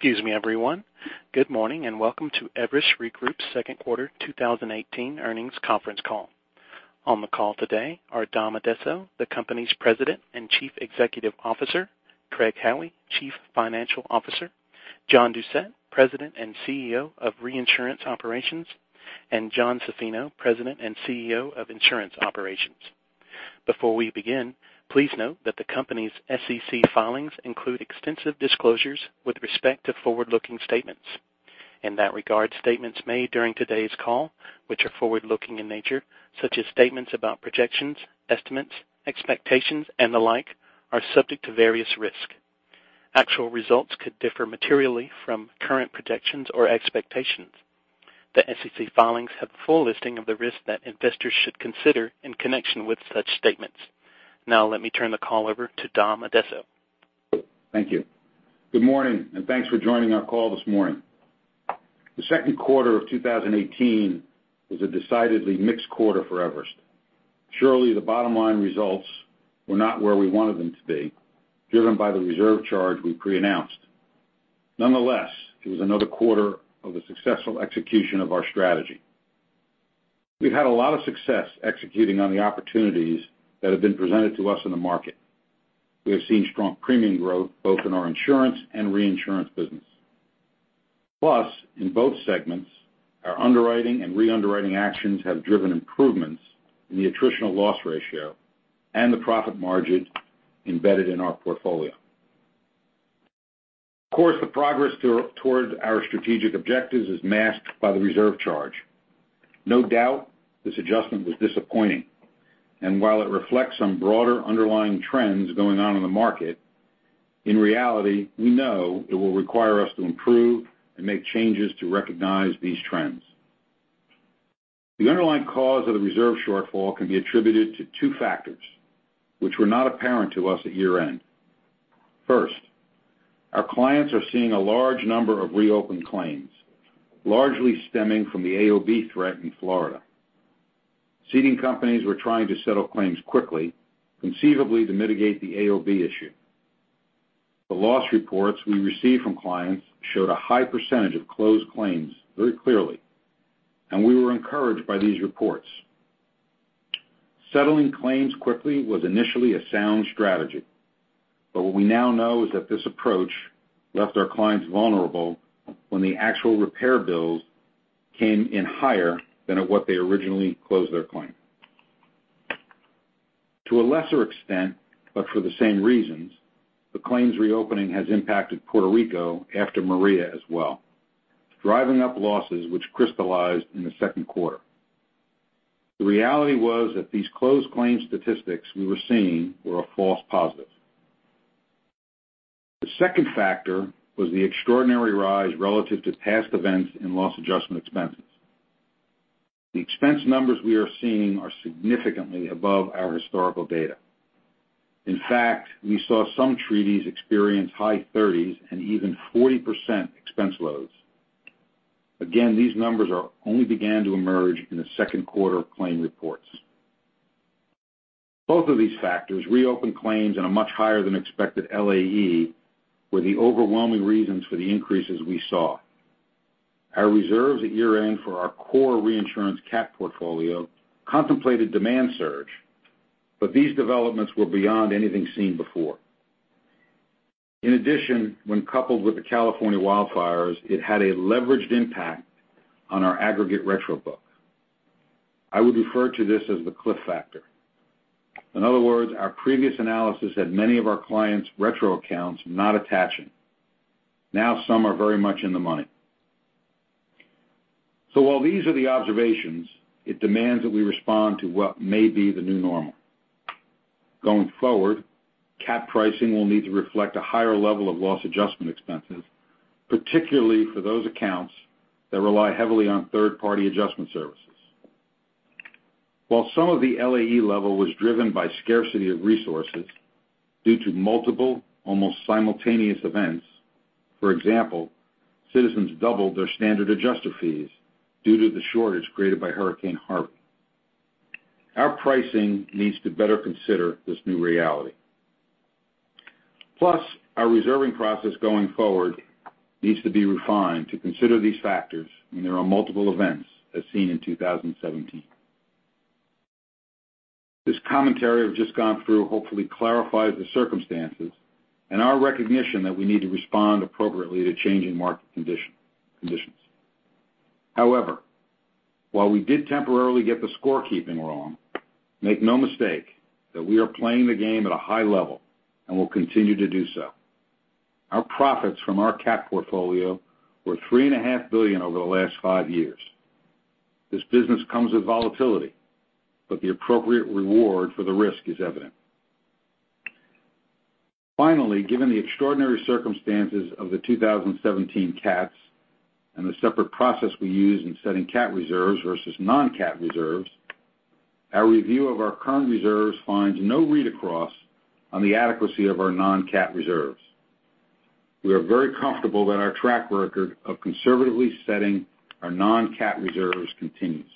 Excuse me, everyone. Good morning, and welcome to Everest Re Group's second quarter 2018 earnings conference call. On the call today are Dom Addesso, the company's President and Chief Executive Officer, Craig Howie, Chief Financial Officer, John Doucette, President and CEO of Reinsurance Operations, and John Zaffino, President and CEO of Insurance Operations. Before we begin, please note that the company's SEC filings include extensive disclosures with respect to forward-looking statements. In that regard, statements made during today's call, which are forward-looking in nature, such as statements about projections, estimates, expectations, and the like, are subject to various risks. Actual results could differ materially from current projections or expectations. The SEC filings have the full listing of the risks that investors should consider in connection with such statements. Now let me turn the call over to Dom Addesso. Thank you. Good morning, and thanks for joining our call this morning. The second quarter of 2018 was a decidedly mixed quarter for Everest. The bottom-line results were not where we wanted them to be, driven by the reserve charge we pre-announced. It was another quarter of the successful execution of our strategy. We've had a lot of success executing on the opportunities that have been presented to us in the market. We have seen strong premium growth both in our insurance and reinsurance business. In both segments, our underwriting and re-underwriting actions have driven improvements in the attritional loss ratio and the profit margin embedded in our portfolio. Of course, the progress towards our strategic objectives is masked by the reserve charge. No doubt this adjustment was disappointing, and while it reflects some broader underlying trends going on in the market, in reality, we know it will require us to improve and make changes to recognize these trends. The underlying cause of the reserve shortfall can be attributed to two factors, which were not apparent to us at year-end. First, our clients are seeing a large number of reopened claims, largely stemming from the AOB threat in Florida. Ceding companies were trying to settle claims quickly, conceivably to mitigate the AOB issue. The loss reports we received from clients showed a high percentage of closed claims very clearly, and we were encouraged by these reports. Settling claims quickly was initially a sound strategy. What we now know is that this approach left our clients vulnerable when the actual repair bills came in higher than at what they originally closed their claim. To a lesser extent, but for the same reasons, the claims reopening has impacted Puerto Rico after Maria as well, driving up losses which crystallized in the second quarter. The reality was that these closed claims statistics we were seeing were a false positive. The second factor was the extraordinary rise relative to past events in loss adjustment expenses. The expense numbers we are seeing are significantly above our historical data. In fact, we saw some treaties experience high 30s and even 40% expense loads. Again, these numbers only began to emerge in the second quarter of claim reports. Both of these factors, reopened claims and a much higher than expected LAE, were the overwhelming reasons for the increases we saw. Our reserves at year-end for our core reinsurance CAT portfolio contemplated demand surge, these developments were beyond anything seen before. In addition, when coupled with the California wildfires, it had a leveraged impact on our aggregate retro book. I would refer to this as the cliff factor. In other words, our previous analysis had many of our clients' retro accounts not attaching. Some are very much in the money. While these are the observations, it demands that we respond to what may be the new normal. Going forward, CAT pricing will need to reflect a higher level of LAE, particularly for those accounts that rely heavily on third-party adjustment services. While some of the LAE level was driven by scarcity of resources due to multiple, almost simultaneous events, for example, Citizens doubled their standard adjuster fees due to the shortage created by Hurricane Harvey. Our pricing needs to better consider this new reality. Our reserving process going forward needs to be refined to consider these factors when there are multiple events as seen in 2017. This commentary I've just gone through hopefully clarifies the circumstances and our recognition that we need to respond appropriately to changing market conditions. While we did temporarily get the scorekeeping wrong, make no mistake that we are playing the game at a high level and will continue to do so. Our profits from our CAT portfolio were $3.5 billion over the last five years. This business comes with volatility, the appropriate reward for the risk is evident. Finally, given the extraordinary circumstances of the 2017 CATs and the separate process we use in setting CAT reserves versus non-CAT reserves, our review of our current reserves finds no read-across on the adequacy of our non-CAT reserves. We are very comfortable that our track record of conservatively setting our non-CAT reserves continues.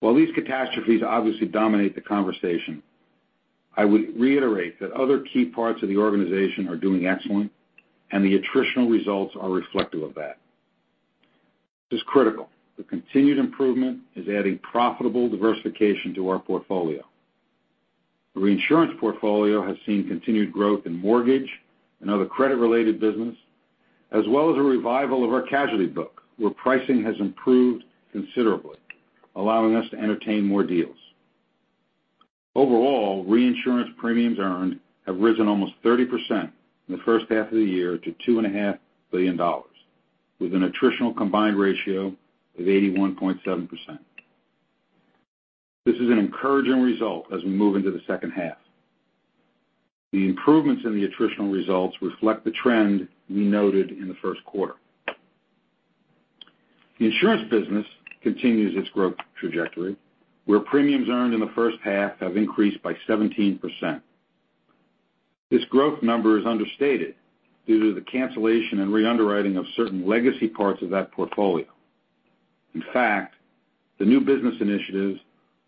While these catastrophes obviously dominate the conversation, I would reiterate that other key parts of the organization are doing excellent, the attritional results are reflective of that. This is critical. The continued improvement is adding profitable diversification to our portfolio. The reinsurance portfolio has seen continued growth in mortgage and other credit-related business, as well as a revival of our casualty book, where pricing has improved considerably, allowing us to entertain more deals. Overall, reinsurance premiums earned have risen almost 30% in the first half of the year to $2.5 billion, with an attritional combined ratio of 81.7%. This is an encouraging result as we move into the second half. The improvements in the attritional results reflect the trend we noted in the first quarter. The insurance business continues its growth trajectory, where premiums earned in the first half have increased by 17%. This growth number is understated due to the cancellation and re-underwriting of certain legacy parts of that portfolio. In fact, the new business initiatives,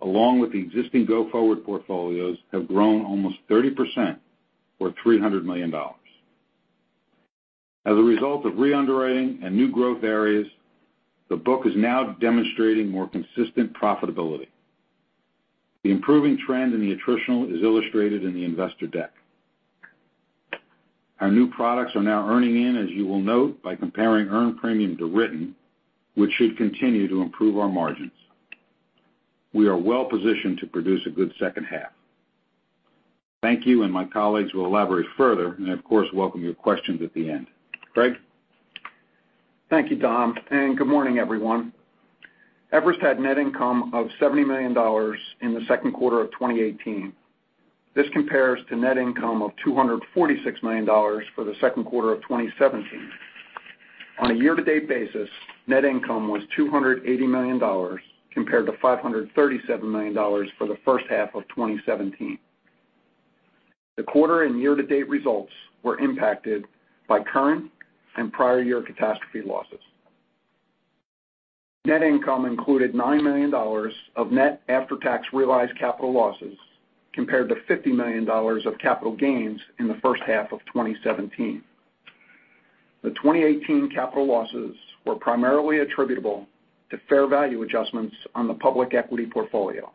along with the existing go-forward portfolios, have grown almost 30%, or $300 million. As a result of re-underwriting and new growth areas, the book is now demonstrating more consistent profitability. The improving trend in the attritional is illustrated in the investor deck. Our new products are now earning in, as you will note, by comparing earned premium to written, which should continue to improve our margins. We are well-positioned to produce a good second half. Thank you, my colleagues will elaborate further and, of course, welcome your questions at the end. Craig? Thank you, Dom. Good morning, everyone. Everest Re had net income of $70 million in the second quarter of 2018. This compares to net income of $246 million for the second quarter of 2017. On a year-to-date basis, net income was $280 million compared to $537 million for the first half of 2017. The quarter and year-to-date results were impacted by current and prior year catastrophe losses. Net income included $9 million of net after-tax realized capital losses compared to $50 million of capital gains in the first half of 2017. The 2018 capital losses were primarily attributable to fair value adjustments on the public equity portfolio.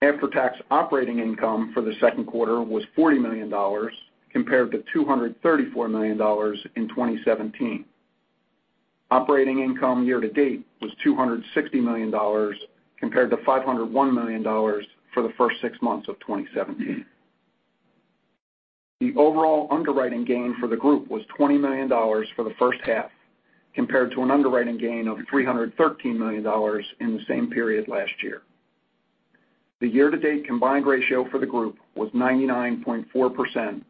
After-tax operating income for the second quarter was $40 million compared to $234 million in 2017. Operating income year to date was $260 million compared to $501 million for the first six months of 2017. The overall underwriting gain for the group was $20 million for the first half compared to an underwriting gain of $313 million in the same period last year. The year-to-date combined ratio for the group was 99.4%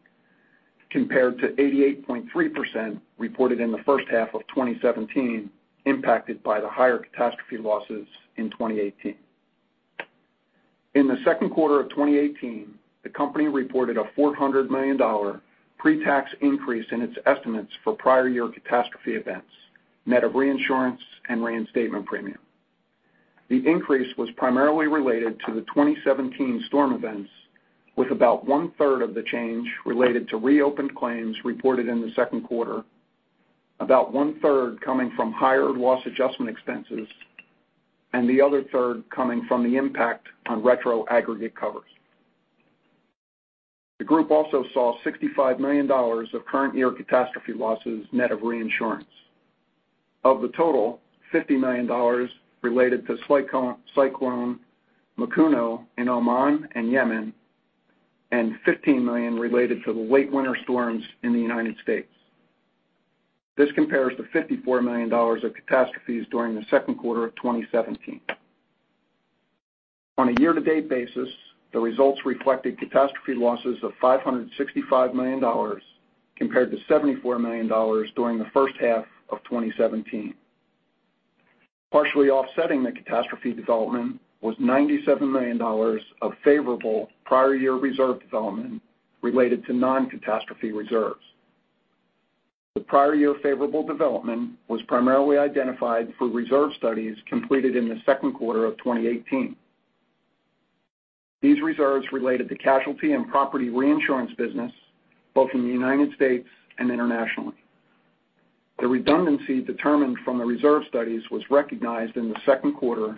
compared to 88.3% reported in the first half of 2017, impacted by the higher catastrophe losses in 2018. In the second quarter of 2018, the company reported a $400 million pre-tax increase in its estimates for prior year catastrophe events, net of reinsurance and reinstatement premium. The increase was primarily related to the 2017 storm events, with about one-third of the change related to reopened claims reported in the second quarter, about one-third coming from higher loss adjustment expenses, and the other third coming from the impact on retro aggregate covers. The group also saw $65 million of current-year catastrophe losses net of reinsurance. Of the total, $50 million related to Cyclone Mekunu in Oman and Yemen, and $15 million related to the late winter storms in the U.S. This compares to $54 million of catastrophes during the second quarter of 2017. On a year-to-date basis, the results reflected catastrophe losses of $565 million compared to $74 million during the first half of 2017. Partially offsetting the catastrophe development was $97 million of favorable prior year reserve development related to non-catastrophe reserves. The prior year favorable development was primarily identified for reserve studies completed in the second quarter of 2018. These reserves related to casualty and property reinsurance business both in the U.S. and internationally. The redundancy determined from the reserve studies was recognized in the second quarter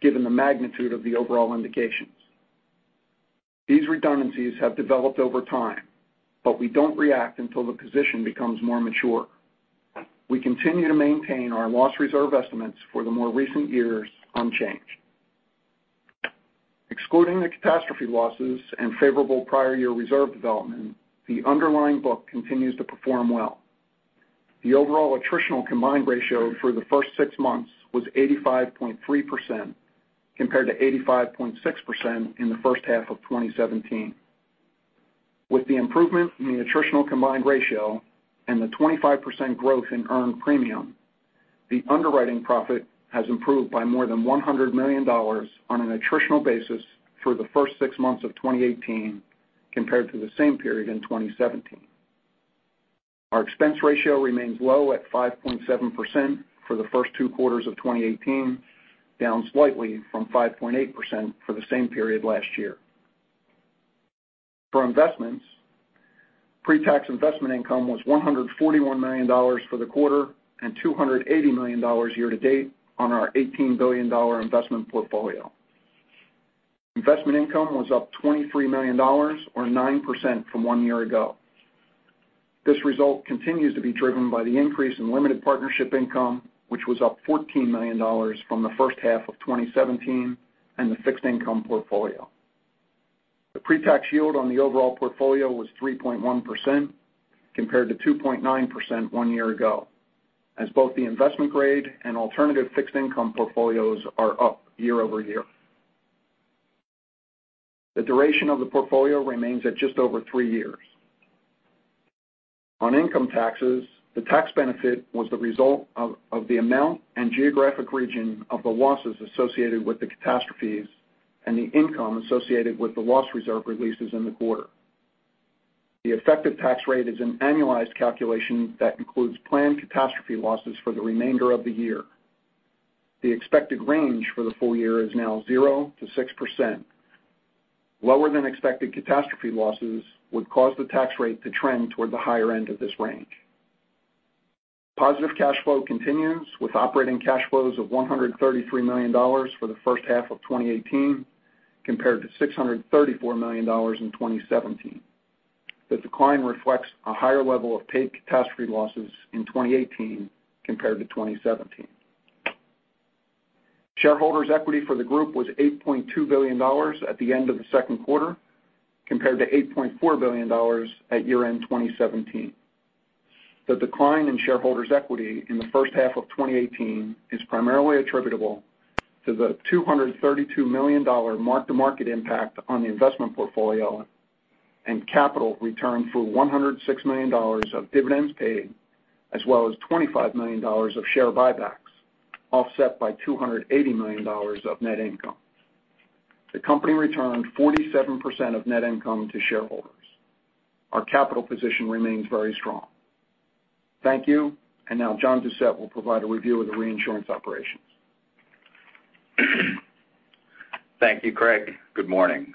given the magnitude of the overall indications. These redundancies have developed over time. We don't react until the position becomes more mature. We continue to maintain our loss reserve estimates for the more recent years unchanged. Excluding the catastrophe losses and favorable prior year reserve development, the underlying book continues to perform well. The overall attritional combined ratio for the first six months was 85.3% compared to 85.6% in the first half of 2017. With the improvement in the attritional combined ratio and the 25% growth in earned premium, the underwriting profit has improved by more than $100 million on an attritional basis for the first six months of 2018 compared to the same period in 2017. Our expense ratio remains low at 5.7% for the first two quarters of 2018, down slightly from 5.8% for the same period last year. For investments, pre-tax investment income was $141 million for the quarter and $280 million year to date on our $18 billion investment portfolio. Investment income was up $23 million, or 9% from one year ago. This result continues to be driven by the increase in limited partnership income, which was up $14 million from the first half of 2017 and the fixed income portfolio. The pre-tax yield on the overall portfolio was 3.1%, compared to 2.9% one year ago, as both the investment grade and alternative fixed income portfolios are up year-over-year. The duration of the portfolio remains at just over three years. On income taxes, the tax benefit was the result of the amount and geographic region of the losses associated with the catastrophes and the income associated with the loss reserve releases in the quarter. The effective tax rate is an annualized calculation that includes planned catastrophe losses for the remainder of the year. The expected range for the full year is now 0 to 6%. Lower than expected catastrophe losses would cause the tax rate to trend toward the higher end of this range. Positive cash flow continues with operating cash flows of $133 million for the first half of 2018, compared to $634 million in 2017. The decline reflects a higher level of paid catastrophe losses in 2018 compared to 2017. Shareholders' equity for the group was $8.2 billion at the end of the second quarter, compared to $8.4 billion at year-end 2017. The decline in shareholders' equity in the first half of 2018 is primarily attributable to the $232 million mark-to-market impact on the investment portfolio and capital returned for $106 million of dividends paid, as well as $25 million of share buybacks, offset by $280 million of net income. The company returned 47% of net income to shareholders. Our capital position remains very strong. Thank you. Now John Doucette will provide a review of the reinsurance operations. Thank you, Craig. Good morning.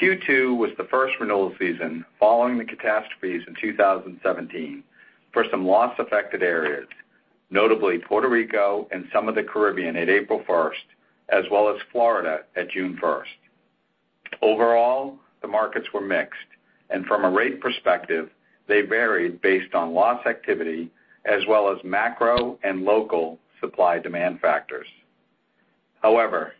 Q2 was the first renewal season following the catastrophes in 2017 for some loss-affected areas, notably Puerto Rico and some of the Caribbean at April 1st, as well as Florida at June 1st. Overall, the markets were mixed, and from a rate perspective, they varied based on loss activity, as well as macro and local supply-demand factors. However,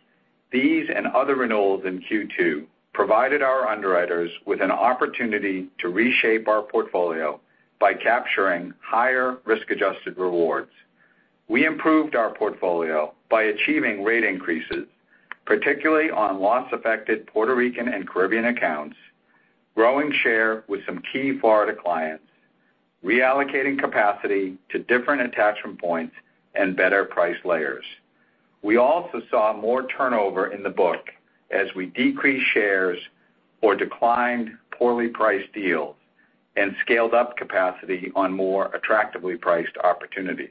these and other renewals in Q2 provided our underwriters with an opportunity to reshape our portfolio by capturing higher risk-adjusted rewards. We improved our portfolio by achieving rate increases, particularly on loss-affected Puerto Rican and Caribbean accounts, growing share with some key Florida clients, reallocating capacity to different attachment points and better price layers. We also saw more turnover in the book as we decreased shares or declined poorly priced deals and scaled up capacity on more attractively priced opportunities.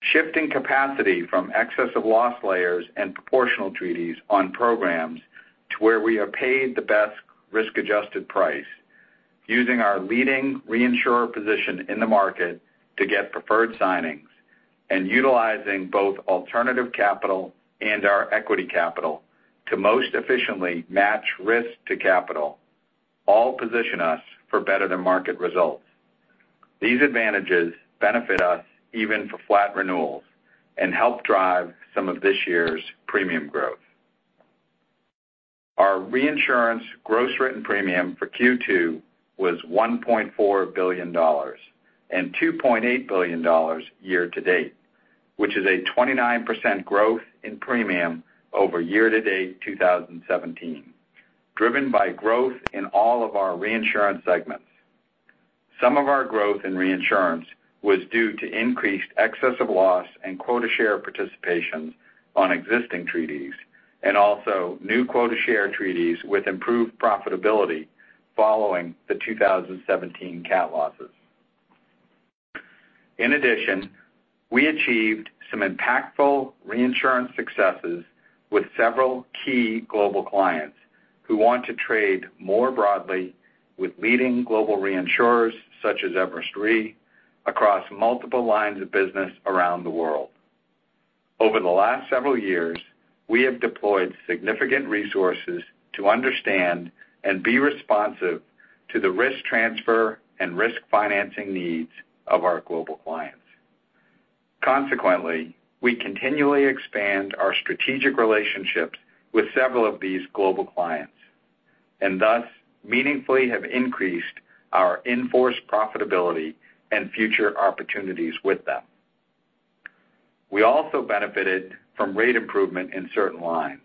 Shifting capacity from excess of loss layers and proportional treaties on programs to where we are paid the best risk-adjusted price using our leading reinsurer position in the market to get preferred signings and utilizing both alternative capital and our equity capital to most efficiently match risk to capital all position us for better-than-market results. These advantages benefit us even for flat renewals and help drive some of this year's premium growth. Our reinsurance gross written premium for Q2 was $1.4 billion and $2.8 billion year to date, which is a 29% growth in premium over year to date 2017, driven by growth in all of our reinsurance segments. Some of our growth in reinsurance was due to increased excess of loss and quota share participation on existing treaties, also new quota share treaties with improved profitability following the 2017 cat losses. We achieved some impactful reinsurance successes with several key global clients who want to trade more broadly with leading global reinsurers such as Everest Re across multiple lines of business around the world. Over the last several years, we have deployed significant resources to understand and be responsive to the risk transfer and risk financing needs of our global clients. Consequently, we continually expand our strategic relationships with several of these global clients, and thus meaningfully have increased our in-force profitability and future opportunities with them. We also benefited from rate improvement in certain lines,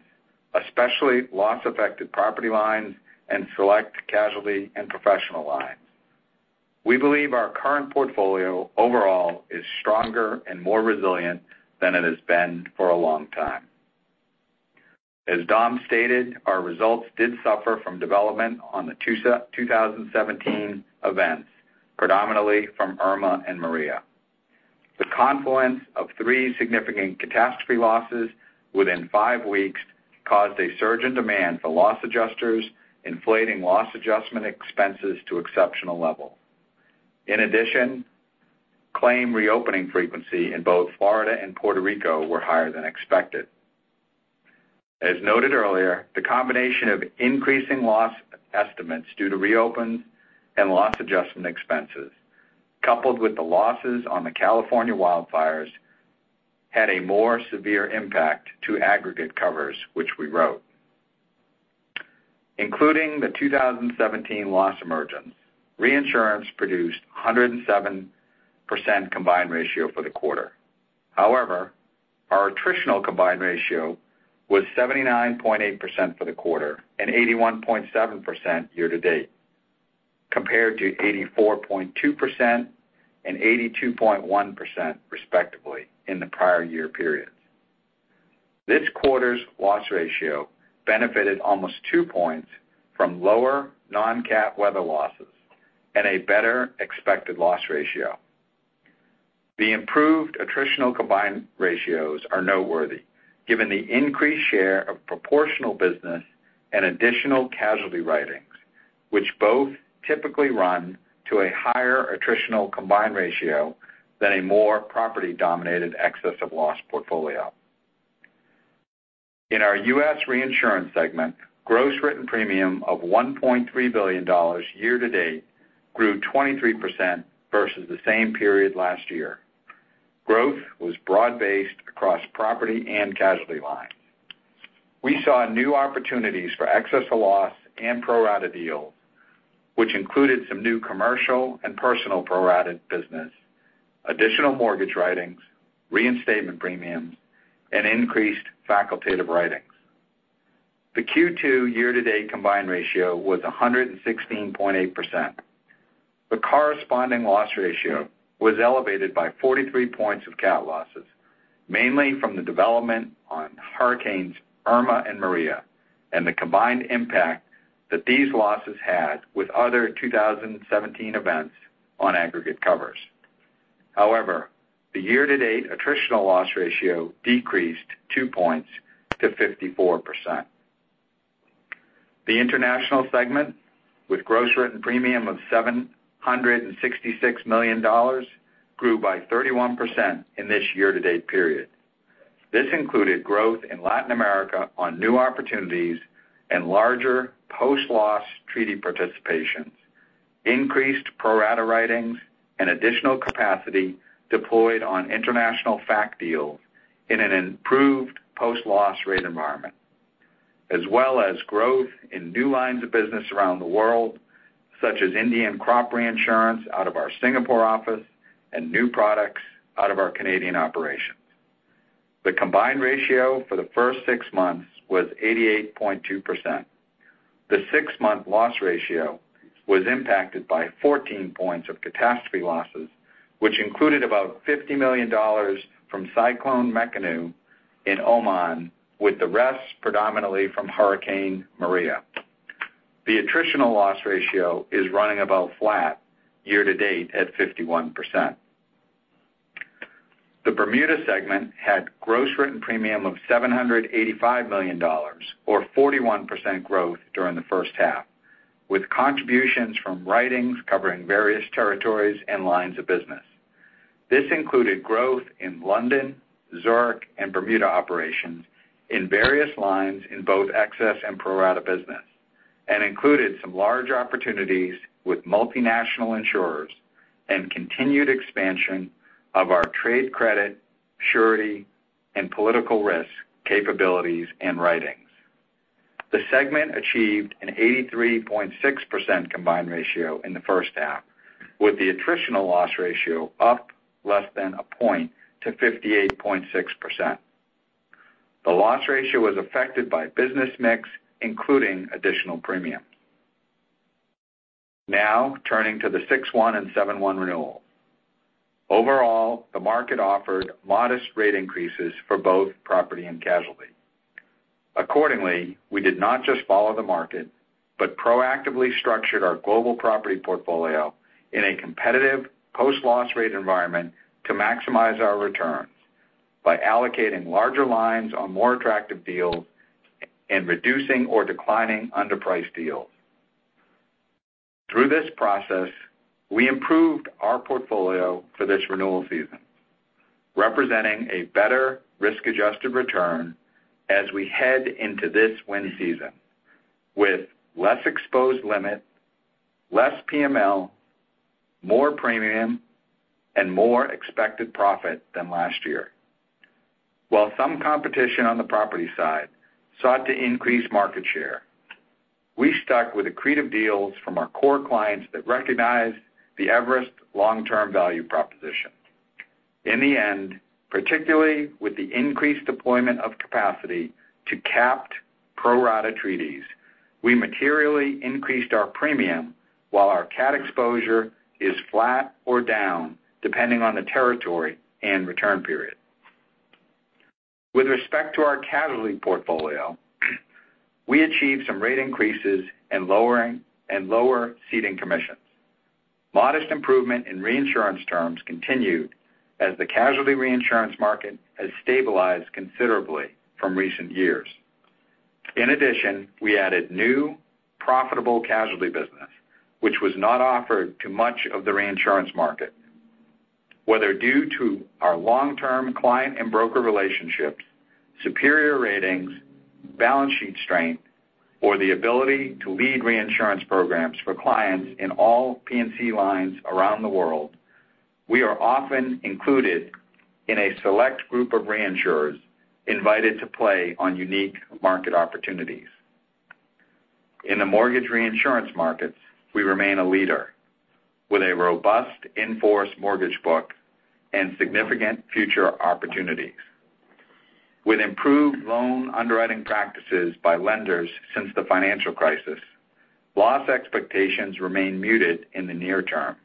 especially loss-affected property lines and select casualty and professional lines. We believe our current portfolio overall is stronger and more resilient than it has been for a long time. As Dom stated, our results did suffer from development on the 2017 events, predominantly from Irma and Maria. The confluence of three significant catastrophe losses within five weeks caused a surge in demand for loss adjusters, inflating loss adjustment expenses to exceptional level. Claim reopening frequency in both Florida and Puerto Rico were higher than expected. As noted earlier, the combination of increasing loss estimates due to reopen and loss adjustment expenses, coupled with the losses on the California wildfires, had a more severe impact to aggregate covers which we wrote. Including the 2017 loss emergence, reinsurance produced 107% combined ratio for the quarter. However, our attritional combined ratio was 79.8% for the quarter and 81.7% year to date, compared to 84.2% and 82.1%, respectively, in the prior year periods. This quarter's loss ratio benefited almost two points from lower non-cat weather losses and a better expected loss ratio. The improved attritional combined ratios are noteworthy given the increased share of proportional business and additional casualty writings, which both typically run to a higher attritional combined ratio than a more property-dominated excess of loss portfolio. In our U.S. reinsurance segment, gross written premium of $1.3 billion year to date grew 23% versus the same period last year. Growth was broad-based across property and casualty lines. We saw new opportunities for excess of loss and pro-rata deals, which included some new commercial and personal pro-rata business, additional mortgage writings, reinstatement premiums, and increased facultative writings. The Q2 year to date combined ratio was 116.8%. The corresponding loss ratio was elevated by 43 points of cat losses, mainly from the development on hurricanes Irma and Maria, and the combined impact that these losses had with other 2017 events on aggregate covers. However, the year-to-date attritional loss ratio decreased 2 points to 54%. The international segment with gross written premium of $766 million, grew by 31% in this year-to-date period. This included growth in Latin America on new opportunities and larger post-loss treaty participations, increased pro-rata writings, and additional capacity deployed on international facultative deals in an improved post-loss rate environment, as well as growth in new lines of business around the world, such as Indian crop reinsurance out of our Singapore office and new products out of our Canadian operations. The combined ratio for the first six months was 88.2%. The six-month loss ratio was impacted by 14 points of catastrophe losses, which included about $50 million from Cyclone Mekunu in Oman, with the rest predominantly from Hurricane Maria. The attritional loss ratio is running about flat year-to-date at 51%. The Bermuda segment had gross written premium of $785 million, or 41% growth during the first half, with contributions from writings covering various territories and lines of business. This included growth in London, Zurich, and Bermuda operations in various lines in both excess and pro-rata business, and included some large opportunities with multinational insurers and continued expansion of our trade credit, surety, and political risk capabilities and writings. The segment achieved an 83.6% combined ratio in the first half, with the attritional loss ratio up less than a point to 58.6%. The loss ratio was affected by business mix, including additional premium. Turning to the 6-1 and 7-1 renewal. Overall, the market offered modest rate increases for both property and casualty. We did not just follow the market, but proactively structured our global property portfolio in a competitive post-loss rate environment to maximize our returns by allocating larger lines on more attractive deals and reducing or declining underpriced deals. Through this process, we improved our portfolio for this renewal season, representing a better risk-adjusted return as we head into this wind season with less exposed limit, less PML, more premium, and more expected profit than last year. While some competition on the property side sought to increase market share, we stuck with accretive deals from our core clients that recognized the Everest long-term value proposition. In the end, particularly with the increased deployment of capacity to capped pro-rata treaties, we materially increased our premium while our cat exposure is flat or down depending on the territory and return period. With respect to our casualty portfolio, we achieved some rate increases and lower ceding commissions. Modest improvement in reinsurance terms continued as the casualty reinsurance market has stabilized considerably from recent years. In addition, we added new profitable casualty business, which was not offered to much of the reinsurance market. Whether due to our long-term client and broker relationships, superior ratings, balance sheet strength, or the ability to lead reinsurance programs for clients in all P&C lines around the world, we are often included in a select group of reinsurers invited to play on unique market opportunities. In the mortgage reinsurance markets, we remain a leader with a robust in-force mortgage book and significant future opportunities. With improved loan underwriting practices by lenders since the financial crisis, loss expectations remain muted in the near term.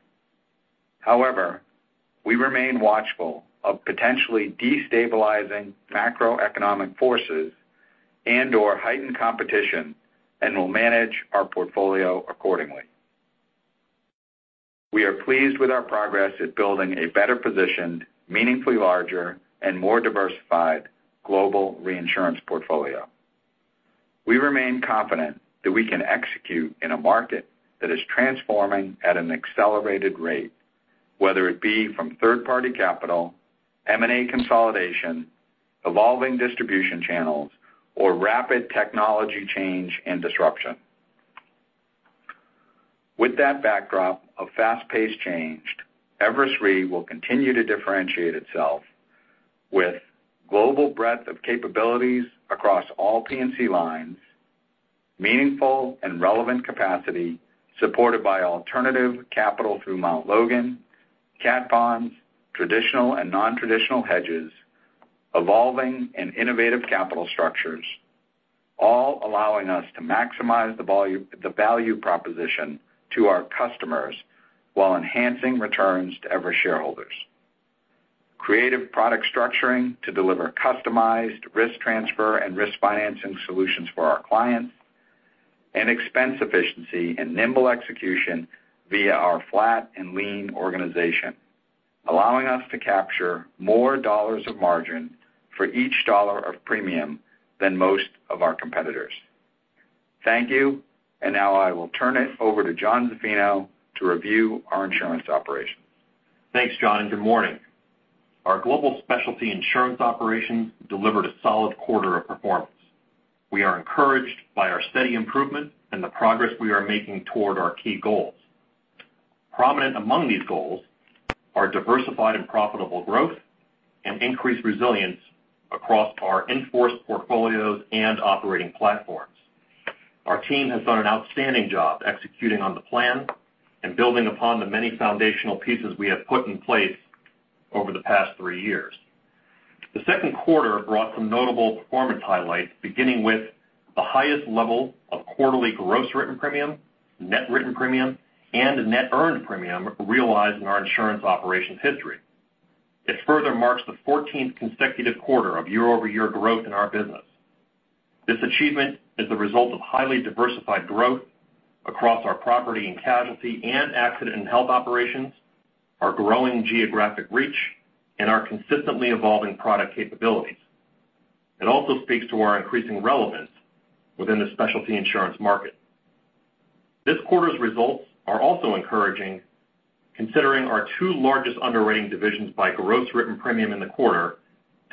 However, we remain watchful of potentially destabilizing macroeconomic forces and/or heightened competition, and will manage our portfolio accordingly. We are pleased with our progress at building a better positioned, meaningfully larger and more diversified global reinsurance portfolio. We remain confident that we can execute in a market that is transforming at an accelerated rate, whether it be from third-party capital, M&A consolidation, evolving distribution channels, or rapid technology change and disruption. With that backdrop of fast-paced change, Everest Re will continue to differentiate itself with global breadth of capabilities across all P&C lines. Meaningful and relevant capacity supported by alternative capital through Mt. Logan, Cat Bonds, traditional and non-traditional hedges, evolving and innovative capital structures, all allowing us to maximize the value proposition to our customers while enhancing returns to Everest shareholders. Creative product structuring to deliver customized risk transfer and risk financing solutions for our clients, expense efficiency and nimble execution via our flat and lean organization, allowing us to capture more dollars of margin for each dollar of premium than most of our competitors. Thank you. Now I will turn it over to John Zaffino to review our insurance operations. Thanks, John, and good morning. Our global specialty insurance operations delivered a solid quarter of performance. We are encouraged by our steady improvement and the progress we are making toward our key goals. Prominent among these goals are diversified and profitable growth and increased resilience across our in-force portfolios and operating platforms. Our team has done an outstanding job executing on the plan and building upon the many foundational pieces we have put in place over the past three years. The second quarter brought some notable performance highlights, beginning with the highest level of quarterly gross written premium, net written premium, and net earned premium realized in our insurance operations history. It further marks the 14th consecutive quarter of year-over-year growth in our business. This achievement is the result of highly diversified growth across our property and casualty and accident and health operations, our growing geographic reach, and our consistently evolving product capabilities. It also speaks to our increasing relevance within the specialty insurance market. This quarter's results are also encouraging considering our two largest underwriting divisions by gross written premium in the quarter,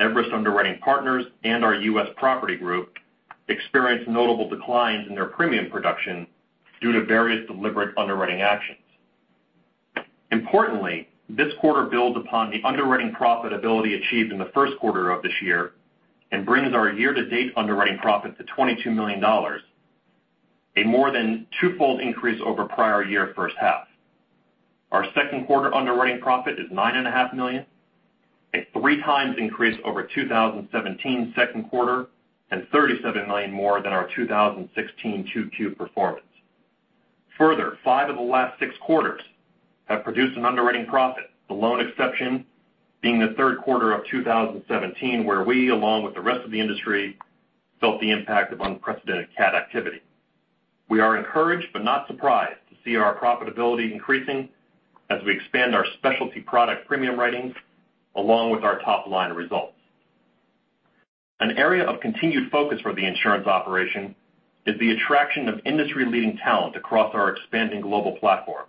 Everest Underwriting Partners and our US Property Group, experienced notable declines in their premium production due to various deliberate underwriting actions. Importantly, this quarter builds upon the underwriting profitability achieved in the first quarter of this year and brings our year-to-date underwriting profit to $22 million, a more than twofold increase over prior year first half. Our second quarter underwriting profit is $9.5 million, a three times increase over 2017 second quarter, and $37 million more than our 2016 2Q performance. Five of the last six quarters have produced an underwriting profit, the lone exception being the third quarter of 2017, where we, along with the rest of the industry, felt the impact of unprecedented cat activity. We are encouraged but not surprised to see our profitability increasing as we expand our specialty product premium writings along with our top-line results. An area of continued focus for the insurance operation is the attraction of industry-leading talent across our expanding global platform.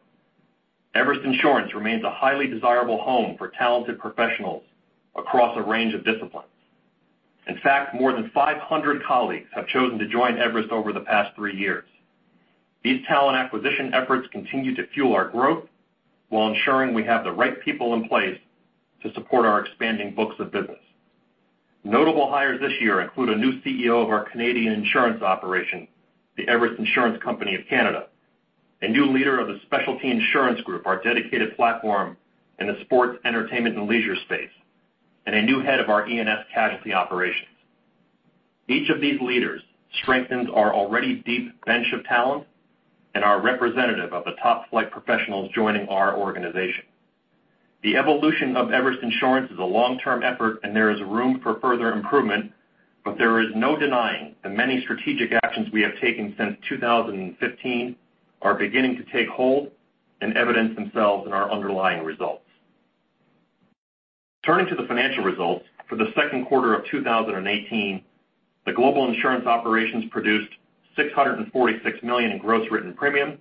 Everest Insurance remains a highly desirable home for talented professionals across a range of disciplines. In fact, more than 500 colleagues have chosen to join Everest over the past three years. These talent acquisition efforts continue to fuel our growth while ensuring we have the right people in place to support our expanding books of business. Notable hires this year include a new CEO of our Canadian insurance operation, The Everest Insurance Company of Canada. A new leader of the specialty insurance group, our dedicated platform in the sports, entertainment, and leisure space, and a new head of our E&S casualty operations. Each of these leaders strengthens our already deep bench of talent and are representative of the top-flight professionals joining our organization. The evolution of Everest Insurance is a long-term effort. There is room for further improvement, there is no denying the many strategic actions we have taken since 2015 are beginning to take hold and evidence themselves in our underlying results. Turning to the financial results. For the second quarter of 2018, the global insurance operations produced $646 million in gross written premium,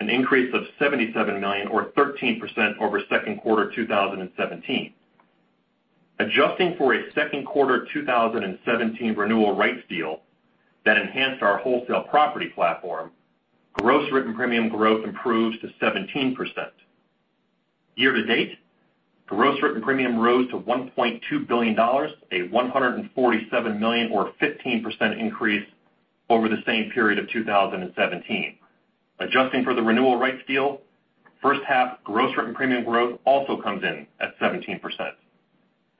an increase of $77 million or 13% over second quarter 2017. Adjusting for a second quarter 2017 renewal rights deal that enhanced our wholesale property platform, gross written premium growth improves to 17%. Year-to-date, gross written premium rose to $1.2 billion, a $147 million or 15% increase over the same period of 2017. Adjusting for the renewal rights deal, first half gross written premium growth also comes in at 17%.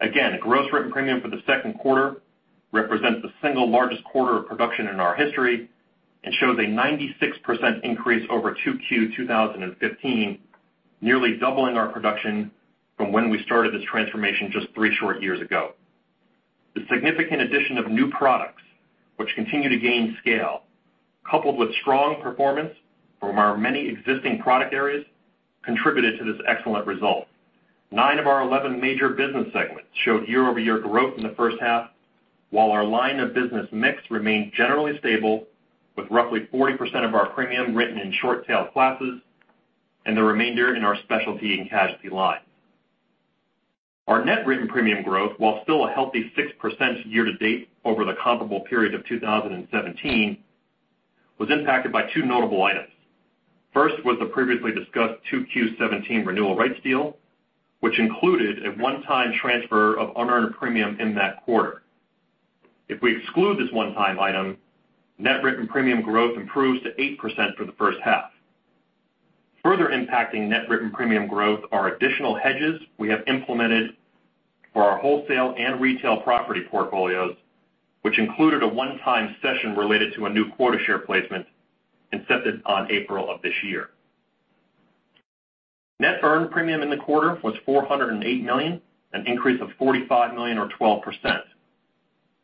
Again, the gross written premium for the second quarter represents the single largest quarter of production in our history and shows a 96% increase over 2Q 2015, nearly doubling our production from when we started this transformation just three short years ago. Nine of our 11 major business segments showed year-over-year growth in the first half, while our line of business mix remained generally stable with roughly 40% of our premium written in short-tail classes and the remainder in our specialty and casualty lines. Our net written premium growth, while still a healthy 6% year-to-date over the comparable period of 2017, was impacted by two notable items. First was the previously discussed 2Q17 renewal rights deal, which included a one-time transfer of unearned premium in that quarter. If we exclude this one-time item, net written premium growth improves to 8% for the first half. Further impacting net written premium growth are additional hedges we have implemented for our wholesale and retail property portfolios, which included a one-time session related to a new Quota Share placement incepted on April of this year. Net earned premium in the quarter was $408 million, an increase of $45 million or 12%.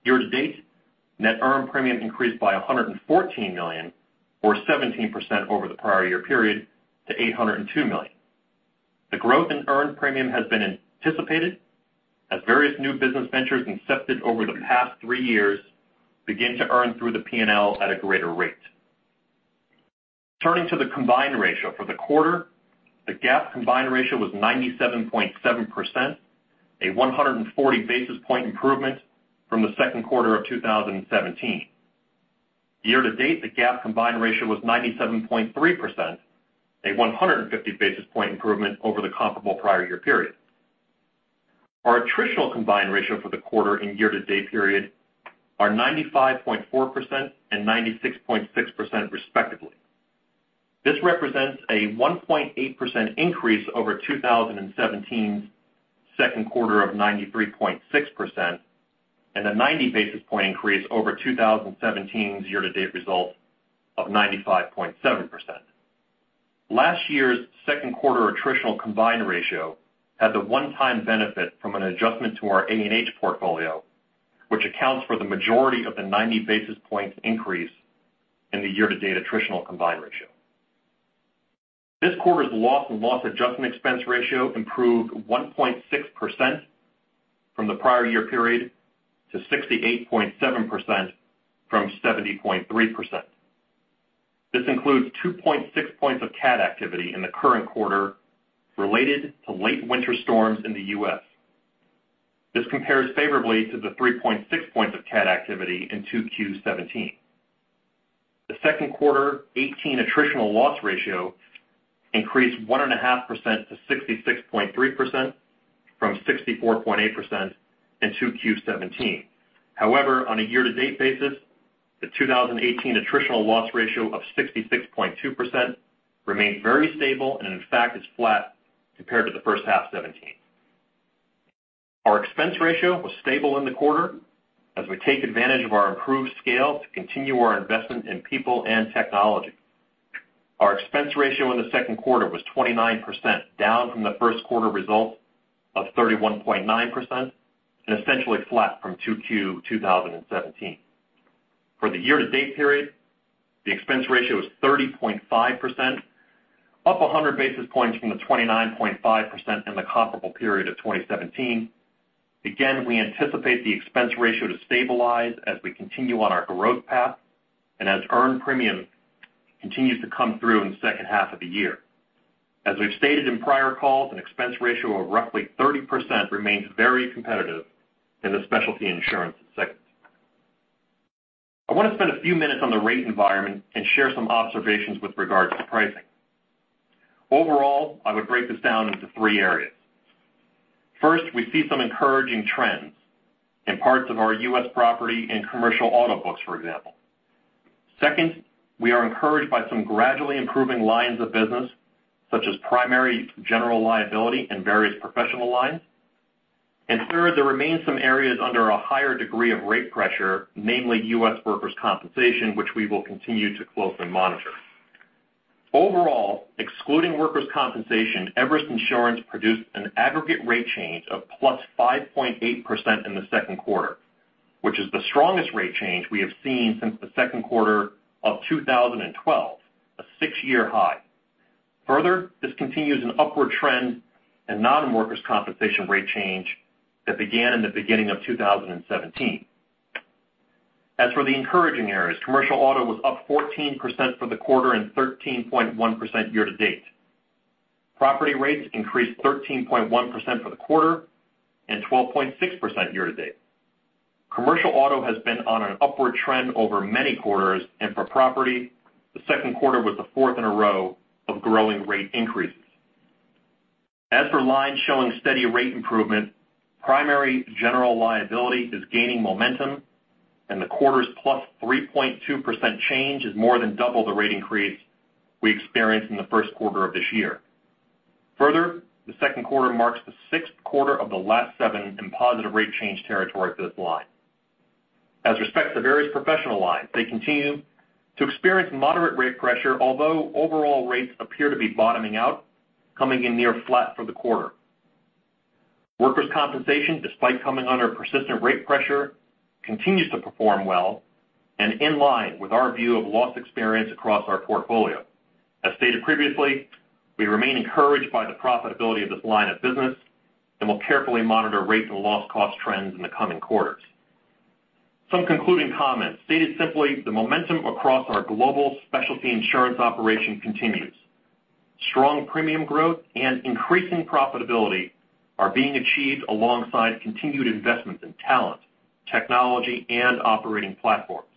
Year-to-date, net earned premium increased by $114 million or 17% over the prior year period to $802 million. The growth in earned premium has been anticipated as various new business ventures incepted over the past three years begin to earn through the P&L at a greater rate. Turning to the combined ratio. For the quarter, the GAAP combined ratio was 97.7%, a 140-basis point improvement from the second quarter of 2017. Year-to-date, the GAAP combined ratio was 97.3%, a 150-basis point improvement over the comparable prior year period. Our attritional combined ratio for the quarter and year-to-date period are 95.4% and 96.6% respectively. This represents a 1.8% increase over 2017's second quarter of 93.6%, and a 90-basis point increase over 2017's year-to-date result of 95.7%. Last year's second quarter attritional combined ratio had the one-time benefit from an adjustment to our A&H portfolio, which accounts for the majority of the 90-basis points increase in the year-to-date attritional combined ratio. This quarter's loss and loss adjustment expense ratio improved 1.6% from the prior year period to 68.7% from 70.3%. This includes 2.6 points of cat activity in the current quarter related to late winter storms in the U.S. This compares favorably to the 3.6 points of cat activity in 2Q17. The second quarter 2018 attritional loss ratio increased 1.5% to 66.3% from 64.8% in 2Q17. However, on a year-to-date basis, the 2018 attritional loss ratio of 66.2% remains very stable and in fact is flat compared to the first half 2017. Our expense ratio was stable in the quarter as we take advantage of our improved scale to continue our investment in people and technology. Our expense ratio in the second quarter was 29%, down from the first quarter result of 31.9% and essentially flat from 2Q 2017. For the year-to-date period, the expense ratio is 30.5%, up 100 basis points from the 29.5% in the comparable period of 2017. We anticipate the expense ratio to stabilize as we continue on our growth path and as earned premium continues to come through in the second half of the year. As we've stated in prior calls, an expense ratio of roughly 30% remains very competitive in the specialty insurance segment. I want to spend a few minutes on the rate environment and share some observations with regards to pricing. Overall, I would break this down into three areas. First, we see some encouraging trends in parts of our U.S. property and commercial auto books, for example. Second, we are encouraged by some gradually improving lines of business, such as primary general liability and various professional lines. Third, there remain some areas under a higher degree of rate pressure, namely U.S. workers' compensation, which we will continue to closely monitor. Overall, excluding workers' compensation, Everest Insurance produced an aggregate rate change of plus 5.8% in the second quarter, which is the strongest rate change we have seen since the second quarter of 2012, a six-year high. Further, this continues an upward trend in non-workers' compensation rate change that began in the beginning of 2017. As for the encouraging areas, commercial auto was up 14% for the quarter and 13.1% year-to-date. Property rates increased 13.1% for the quarter and 12.6% year-to-date. Commercial auto has been on an upward trend over many quarters. For property, the second quarter was the fourth in a row of growing rate increases. As for lines showing steady rate improvement, primary general liability is gaining momentum, and the quarter's +3.2% change is more than double the rate increase we experienced in the first quarter of this year. Further, the second quarter marks the sixth quarter of the last seven in positive rate change territory for this line. As respects to various professional lines, they continue to experience moderate rate pressure, although overall rates appear to be bottoming out, coming in near flat for the quarter. Workers' compensation, despite coming under persistent rate pressure, continues to perform well and in line with our view of loss experience across our portfolio. As stated previously, we remain encouraged by the profitability of this line of business and will carefully monitor rates and loss cost trends in the coming quarters. Some concluding comments. Stated simply, the momentum across our global specialty insurance operation continues. Strong premium growth and increasing profitability are being achieved alongside continued investments in talent, technology, and operating platforms.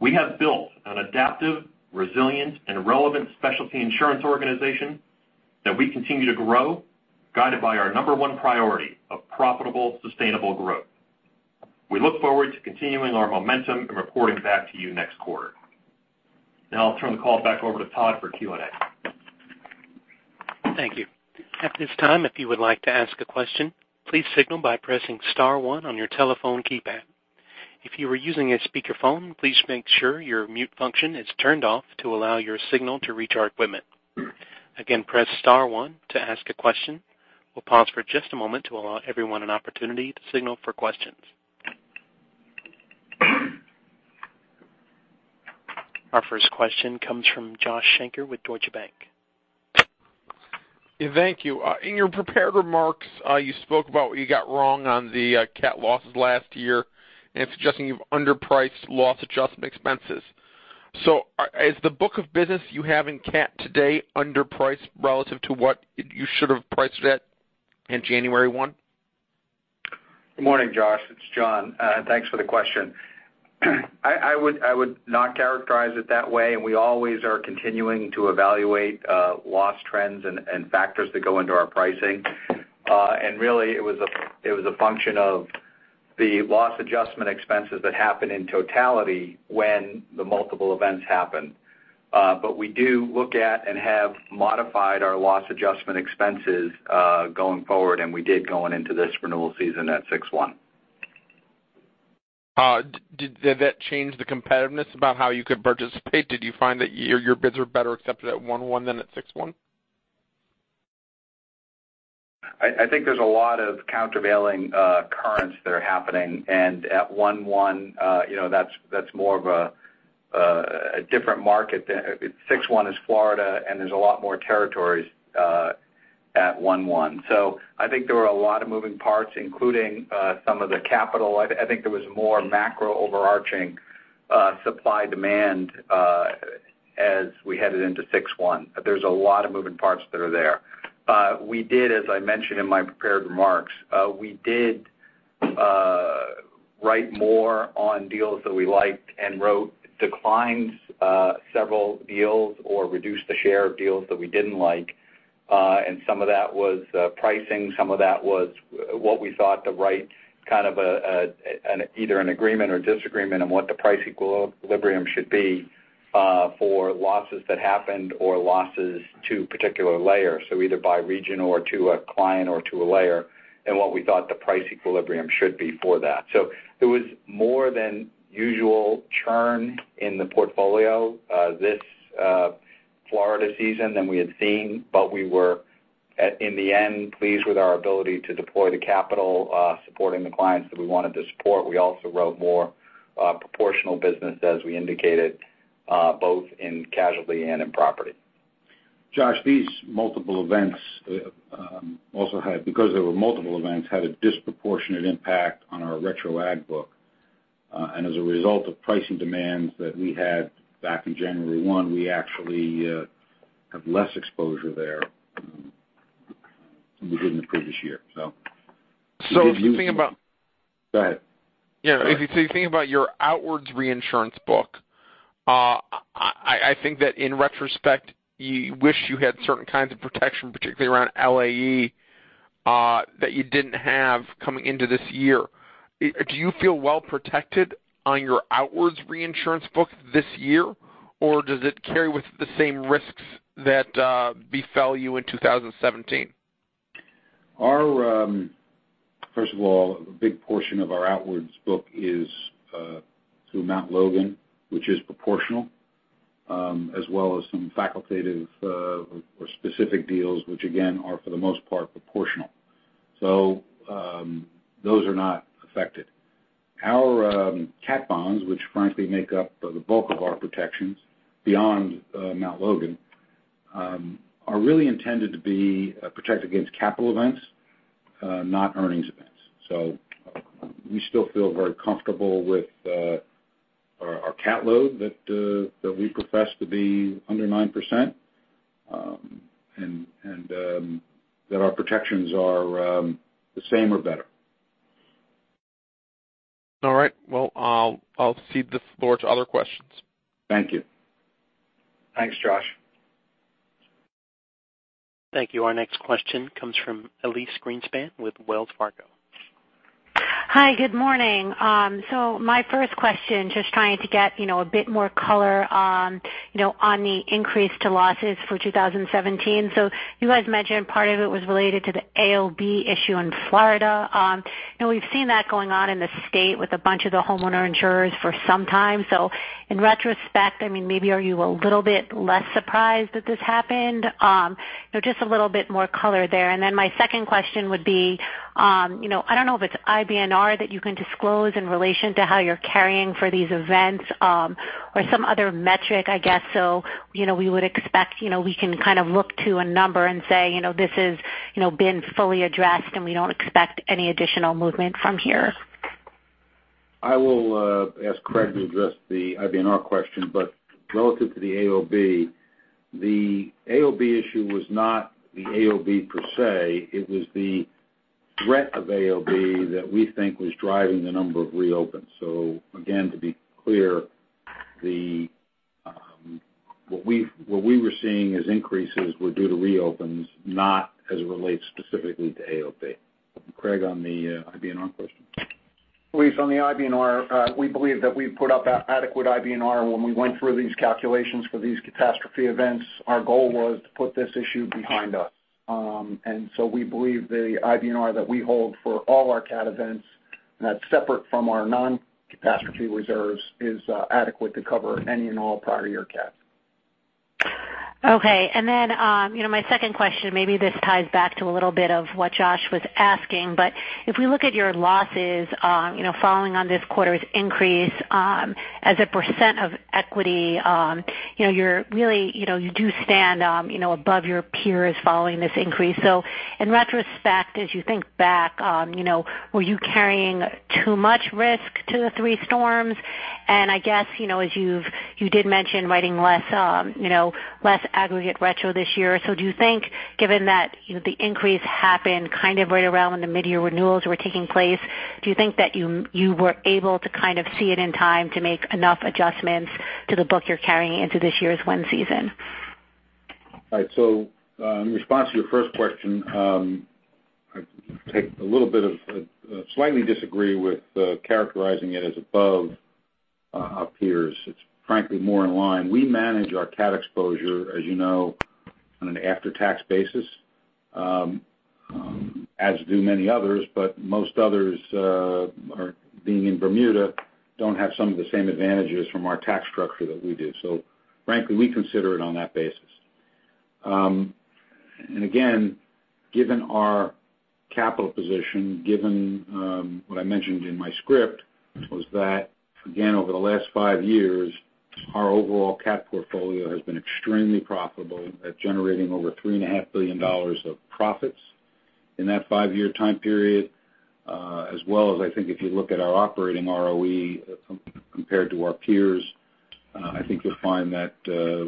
We have built an adaptive, resilient and relevant specialty insurance organization that we continue to grow, guided by our number one priority of profitable, sustainable growth. We look forward to continuing our momentum and reporting back to you next quarter. Now I'll turn the call back over to Todd for Q&A. Thank you. At this time, if you would like to ask a question, please signal by pressing star one on your telephone keypad. If you are using a speakerphone, please make sure your mute function is turned off to allow your signal to reach our equipment. Again, press star one to ask a question. We'll pause for just a moment to allow everyone an opportunity to signal for questions. Our first question comes from Joshua Shanker with Deutsche Bank. Thank you. In your prepared remarks, you spoke about what you got wrong on the cat losses last year and suggesting you've underpriced loss adjustment expenses. Is the book of business you have in cat today underpriced relative to what you should have priced it at in January one? Good morning, Josh. It's John. Thanks for the question. I would not characterize it that way, and we always are continuing to evaluate loss trends and factors that go into our pricing. Really, it was a function of the loss adjustment expenses that happen in totality when the multiple events happen. We do look at and have modified our loss adjustment expenses, going forward, and we did going into this renewal season at six one. Did that change the competitiveness about how you could participate? Did you find that your bids were better accepted at one one than at six one? I think there's a lot of countervailing currents that are happening, and at one one, that's more of a different market. Six one is Florida, and there's a lot more territories at one one. I think there were a lot of moving parts, including some of the capital. I think there was more macro overarching supply-demand as we headed into six one. There's a lot of moving parts that are there. We did, as I mentioned in my prepared remarks, we did write more on deals that we liked and wrote declines several deals or reduced the share of deals that we didn't like. Some of that was pricing, some of that was what we thought the right kind of either an agreement or disagreement on what the price equilibrium should be for losses that happened or losses to particular layers, so either by region or to a client or to a layer, and what we thought the price equilibrium should be for that. There was more than usual churn in the portfolio this Florida season than we had seen, we were, in the end, pleased with our ability to deploy the capital supporting the clients that we wanted to support. We also wrote more proportional business as we indicated, both in casualty and in property. Josh, these multiple events also had, because there were multiple events, had a disproportionate impact on our retro agg book. As a result of pricing demands that we had back in January one, we actually have less exposure there than we did in the previous year, so. If you think about Go ahead. Yeah. If you think about your outwards reinsurance book, I think that in retrospect, you wish you had certain kinds of protection, particularly around LAE, that you didn't have coming into this year. Do you feel well-protected on your outwards reinsurance book this year, or does it carry with the same risks that befell you in 2017? First of all, a big portion of our outwards book is through Mount Logan, which is proportional, as well as some Facultative or specific deals, which again, are for the most part proportional. Those are not affected. Our Cat Bonds, which frankly make up the bulk of our protections beyond Mount Logan, are really intended to be a protect against capital events, not earnings events. We still feel very comfortable with our cat load that we profess to be under 9%, and that our protections are the same or better. All right. Well, I'll cede this floor to other questions. Thank you. Thanks, Josh. Thank you. Our next question comes from Elyse Greenspan with Wells Fargo. Hi, good morning. My first question, just trying to get a bit more color on the increase to losses for 2017. You guys mentioned part of it was related to the AOB issue in Florida. We've seen that going on in the state with a bunch of the homeowner insurers for some time. In retrospect, maybe are you a little bit less surprised that this happened? Just a little bit more color there. My second question would be, I don't know if it's IBNR that you can disclose in relation to how you're carrying for these events, or some other metric, I guess. We would expect we can kind of look to a number and say, "This has been fully addressed, and we don't expect any additional movement from here. I will ask Craig to address the IBNR question, relative to the AOB, the AOB issue was not the AOB per se. It was the threat of AOB that we think was driving the number of reopens. Again, to be clear, what we were seeing as increases were due to reopens, not as it relates specifically to AOB. Craig, on the IBNR question. Elyse, on the IBNR, we believe that we've put up adequate IBNR when we went through these calculations for these catastrophe events. Our goal was to put this issue behind us. We believe the IBNR that we hold for all our cat events, and that's separate from our non-catastrophe reserves, is adequate to cover any and all prior year cat. My second question, maybe this ties back to a little bit of what Josh was asking, but if we look at your losses following on this quarter's increase as a % of equity, you do stand above your peers following this increase. In retrospect, as you think back, were you carrying too much risk to the three storms? I guess, as you did mention, writing less aggregate retrocession this year. Do you think, given that the increase happened kind of right around when the mid-year renewals were taking place, do you think that you were able to kind of see it in time to make enough adjustments to the book you're carrying into this year's wind season? In response to your first question, I slightly disagree with characterizing it as above our peers. It's frankly more in line. We manage our cat exposure, as you know, on an after-tax basis, as do many others, but most others, being in Bermuda, don't have some of the same advantages from our tax structure that we do. Frankly, we consider it on that basis. Again, given our capital position, given what I mentioned in my script was that, again, over the last five years, our overall cat portfolio has been extremely profitable at generating over $3.5 billion of profits in that five-year time period. As well as, I think if you look at our operating ROE compared to our peers, I think you'll find that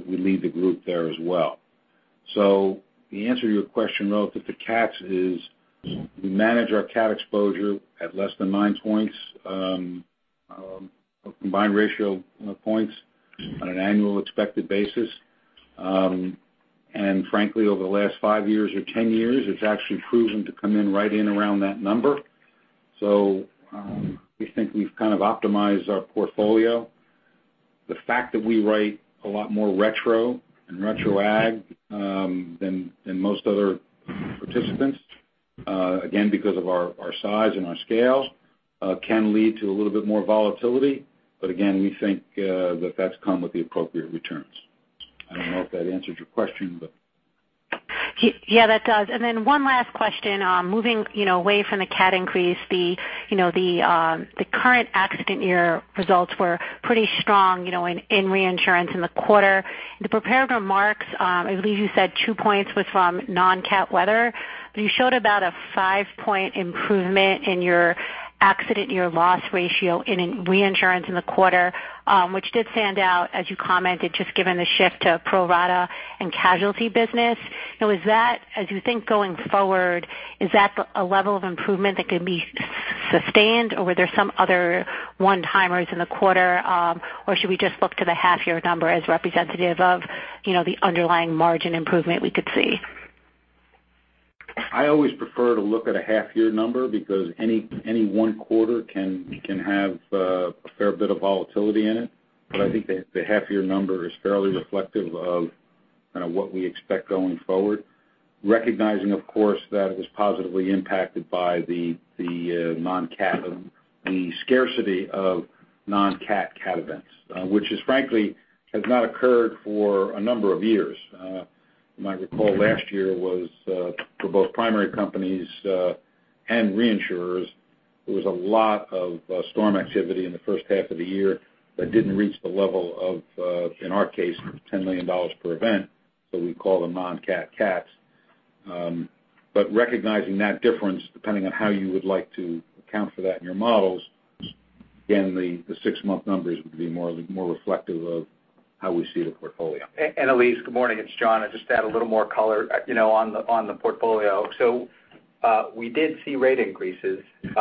we lead the group there as well. The answer to your question relative to cats is we manage our cat exposure at less than nine points of combined ratio points on an annual expected basis. Frankly, over the last five years or 10 years, it's actually proven to come in right in around that number. We think we've kind of optimized our portfolio. The fact that we write a lot more retro and retro ag than most other participants, again, because of our size and our scale, can lead to a little bit more volatility. Again, we think that that's come with the appropriate returns. I don't know if that answered your question. Yeah, that does. One last question, moving away from the cat increase, the current accident year results were pretty strong in reinsurance in the quarter. In the prepared remarks, I believe you said two points was from non-cat weather, but you showed about a five-point improvement in your accident year loss ratio in reinsurance in the quarter, which did stand out as you commented, just given the shift to pro rata and casualty business. As you think going forward, is that a level of improvement that could be sustained or were there some other one-timers in the quarter? Should we just look to the half-year number as representative of the underlying margin improvement we could see? I always prefer to look at a half-year number because any one quarter can have a fair bit of volatility in it. I think the half-year number is fairly reflective of what we expect going forward, recognizing, of course, that it was positively impacted by the scarcity of non-cat cats, which frankly, has not occurred for a number of years. I recall, last year was for both primary companies and reinsurers, there was a lot of storm activity in the first half of the year that didn't reach the level of, in our case, $10 million per event, so we call them non-cat cats. Recognizing that difference, depending on how you would like to account for that in your models, again, the six-month numbers would be more reflective of how we see the portfolio. Elyse, good morning. It's John. I'll just add a little more color on the portfolio. We did see rate increases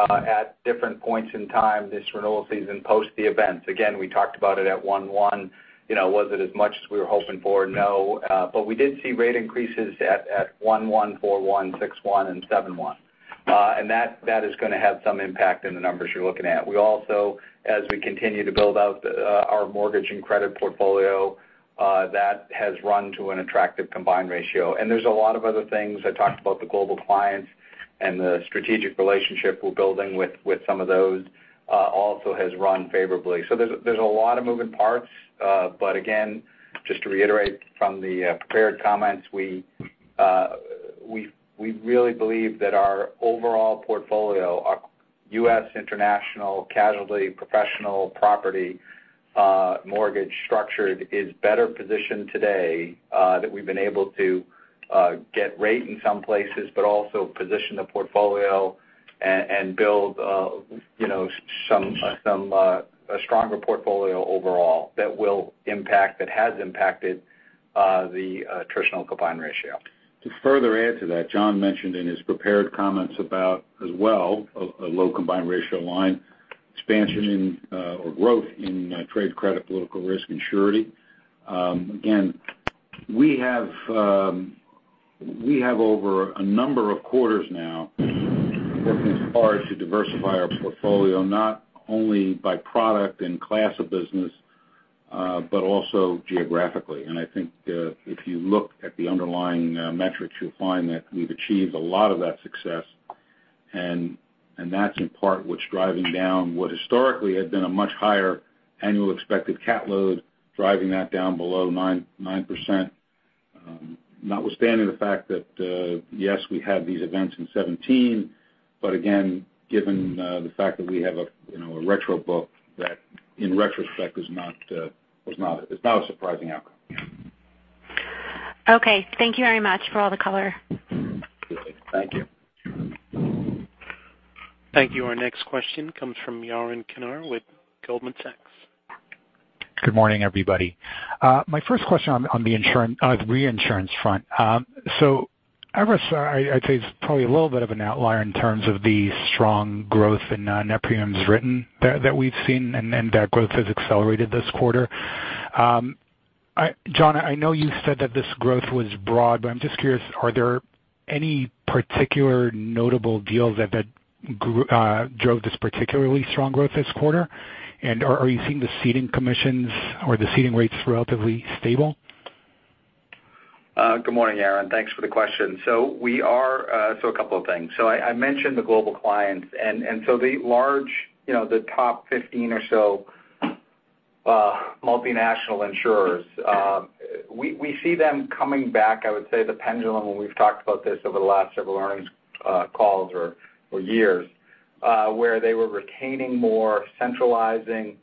at different points in time this renewal season post the events. Again, we talked about it at one-one. Was it as much as we were hoping for? No. We did see rate increases at one-one, four-one, six-one, and seven-one. That is going to have some impact in the numbers you're looking at. We also, as we continue to build out our mortgage and credit portfolio, that has run to an attractive combined ratio. There's a lot of other things. I talked about the global clients and the strategic relationship we're building with some of those, also has run favorably. There's a lot of moving parts. Again, just to reiterate from the prepared comments, we really believe that our overall portfolio, our U.S., international, casualty, professional, property, mortgage structured, is better positioned today that we've been able to get rate in some places, but also position the portfolio and build a stronger portfolio overall that has impacted the attritional combined ratio. To further add to that, John mentioned in his prepared comments about as well, a low combined ratio line expansion or growth in trade credit, political risk, and surety. Again, we have over a number of quarters now working hard to diversify our portfolio not only by product and class of business, but also geographically. I think if you look at the underlying metrics, you'll find that we've achieved a lot of that success, and that's in part what's driving down what historically had been a much higher annual expected cat load, driving that down below 9%, notwithstanding the fact that yes, we had these events in 2017. Again, given the fact that we have a retrocession book that in retrospect is not a surprising outcome. Okay. Thank you very much for all the color. Thank you. Thank you. Thank you. Our next question comes from Yaron Kinar with Goldman Sachs. Good morning, everybody. My first question on the reinsurance front. Everest, I'd say, is probably a little bit of an outlier in terms of the strong growth in net premiums written that we've seen and that growth has accelerated this quarter. John, I know you said that this growth was broad, I'm just curious, are there any particular notable deals that drove this particularly strong growth this quarter? Are you seeing the ceding commissions or the ceding rates relatively stable? Good morning, Yaron. Thanks for the question. A couple of things. I mentioned the global clients, the top 15 or so multinational insurers, we see them coming back. I would say the pendulum, we've talked about this over the last several earnings calls or years, where they were retaining more, centralizing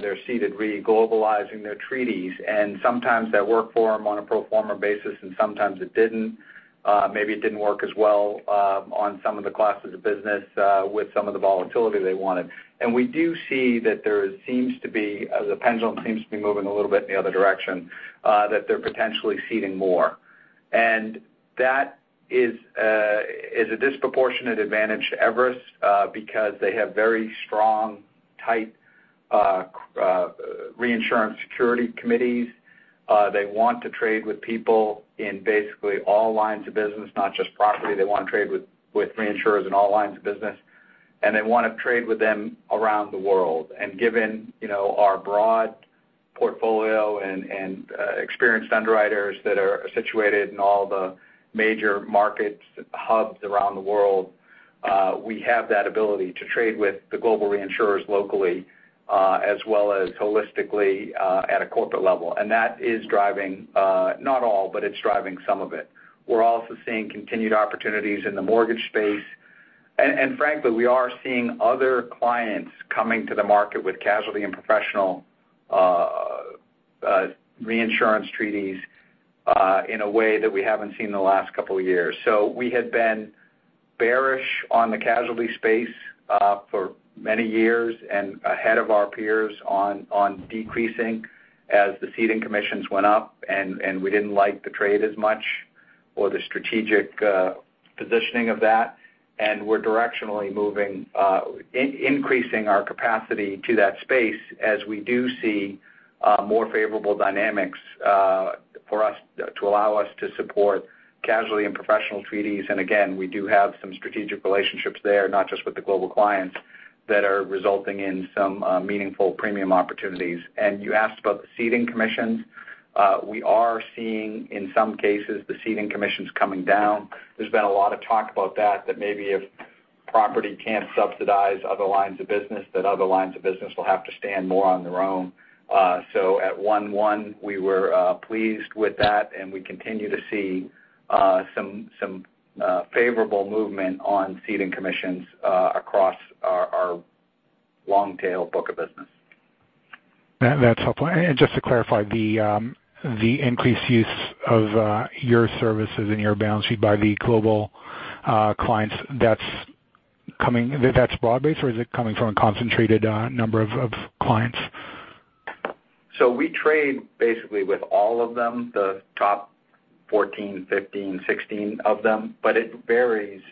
their ceded, reglobalizing their treaties, and sometimes that worked for them on a pro forma basis, and sometimes it didn't. Maybe it didn't work as well on some of the classes of business with some of the volatility they wanted. We do see that the pendulum seems to be moving a little bit in the other direction, that they're potentially ceding more. That is a disproportionate advantage to Everest because they have very strong, tight reinsurance security committees. They want to trade with people in basically all lines of business, not just property. They want to trade with reinsurers in all lines of business, and they want to trade with them around the world. Given our broad portfolio and experienced underwriters that are situated in all the major market hubs around the world, we have that ability to trade with the global reinsurers locally as well as holistically at a corporate level. That is driving, not all, but it's driving some of it. We're also seeing continued opportunities in the mortgage space. Frankly, we are seeing other clients coming to the market with casualty and professional reinsurance treaties in a way that we haven't seen in the last couple of years. We had been bearish on the casualty space for many years and ahead of our peers on decreasing as the ceding commissions went up, we didn't like the trade as much The strategic positioning of that, and we're directionally moving, increasing our capacity to that space as we do see more favorable dynamics for us to allow us to support casualty and professional treaties. Again, we do have some strategic relationships there, not just with the global clients, that are resulting in some meaningful premium opportunities. You asked about the ceding commissions. We are seeing, in some cases, the ceding commissions coming down. There's been a lot of talk about that maybe if property can't subsidize other lines of business, that other lines of business will have to stand more on their own. At 1/1, we were pleased with that, and we continue to see some favorable movement on ceding commissions across our long-tail book of business. That's helpful. Just to clarify, the increased use of your services and your balance sheet by the global clients, that's broad-based, or is it coming from a concentrated number of clients? We trade basically with all of them, the top 14, 15, 16 of them, but it varies.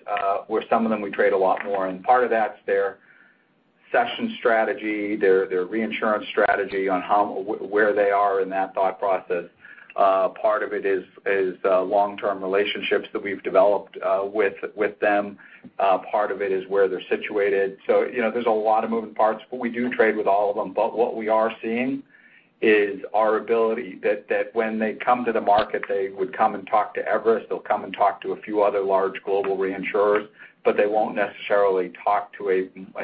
With some of them, we trade a lot more. Part of that's their cession strategy, their reinsurance strategy on where they are in that thought process. Part of it is the long-term relationships that we've developed with them. Part of it is where they're situated. There's a lot of moving parts, but we do trade with all of them. What we are seeing is our ability that when they come to the market, they would come and talk to Everest, they'll come and talk to a few other large global reinsurers, but they won't necessarily talk to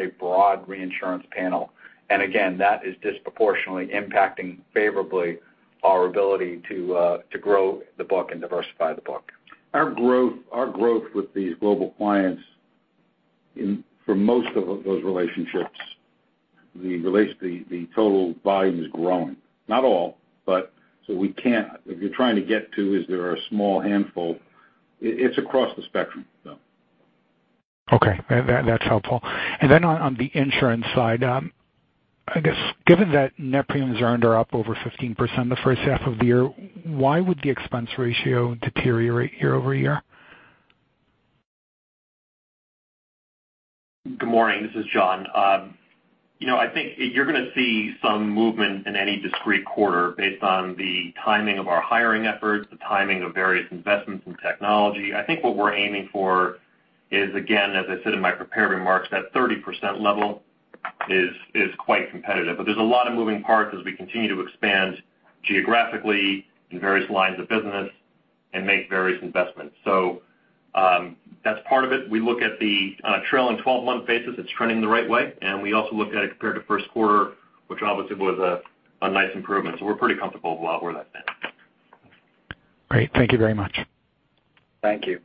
a broad reinsurance panel. Again, that is disproportionately impacting favorably our ability to grow the book and diversify the book. Our growth with these global clients, for most of those relationships, the total volume is growing. Not all, but what you're trying to get to is there are a small handful. It's across the spectrum, though. Okay. That's helpful. On the insurance side, I guess given that net premiums earned are up over 15% the first half of the year, why would the expense ratio deteriorate year-over-year? Good morning. This is John. I think you're going to see some movement in any discrete quarter based on the timing of our hiring efforts, the timing of various investments in technology. I think what we're aiming for is, again, as I said in my prepared remarks, that 30% level is quite competitive. There's a lot of moving parts as we continue to expand geographically in various lines of business and make various investments. That's part of it. We look at the trailing 12-month basis, it's trending the right way. We also look at it compared to first quarter, which obviously was a nice improvement. We're pretty comfortable with where that's been. Great. Thank you very much. Thank you.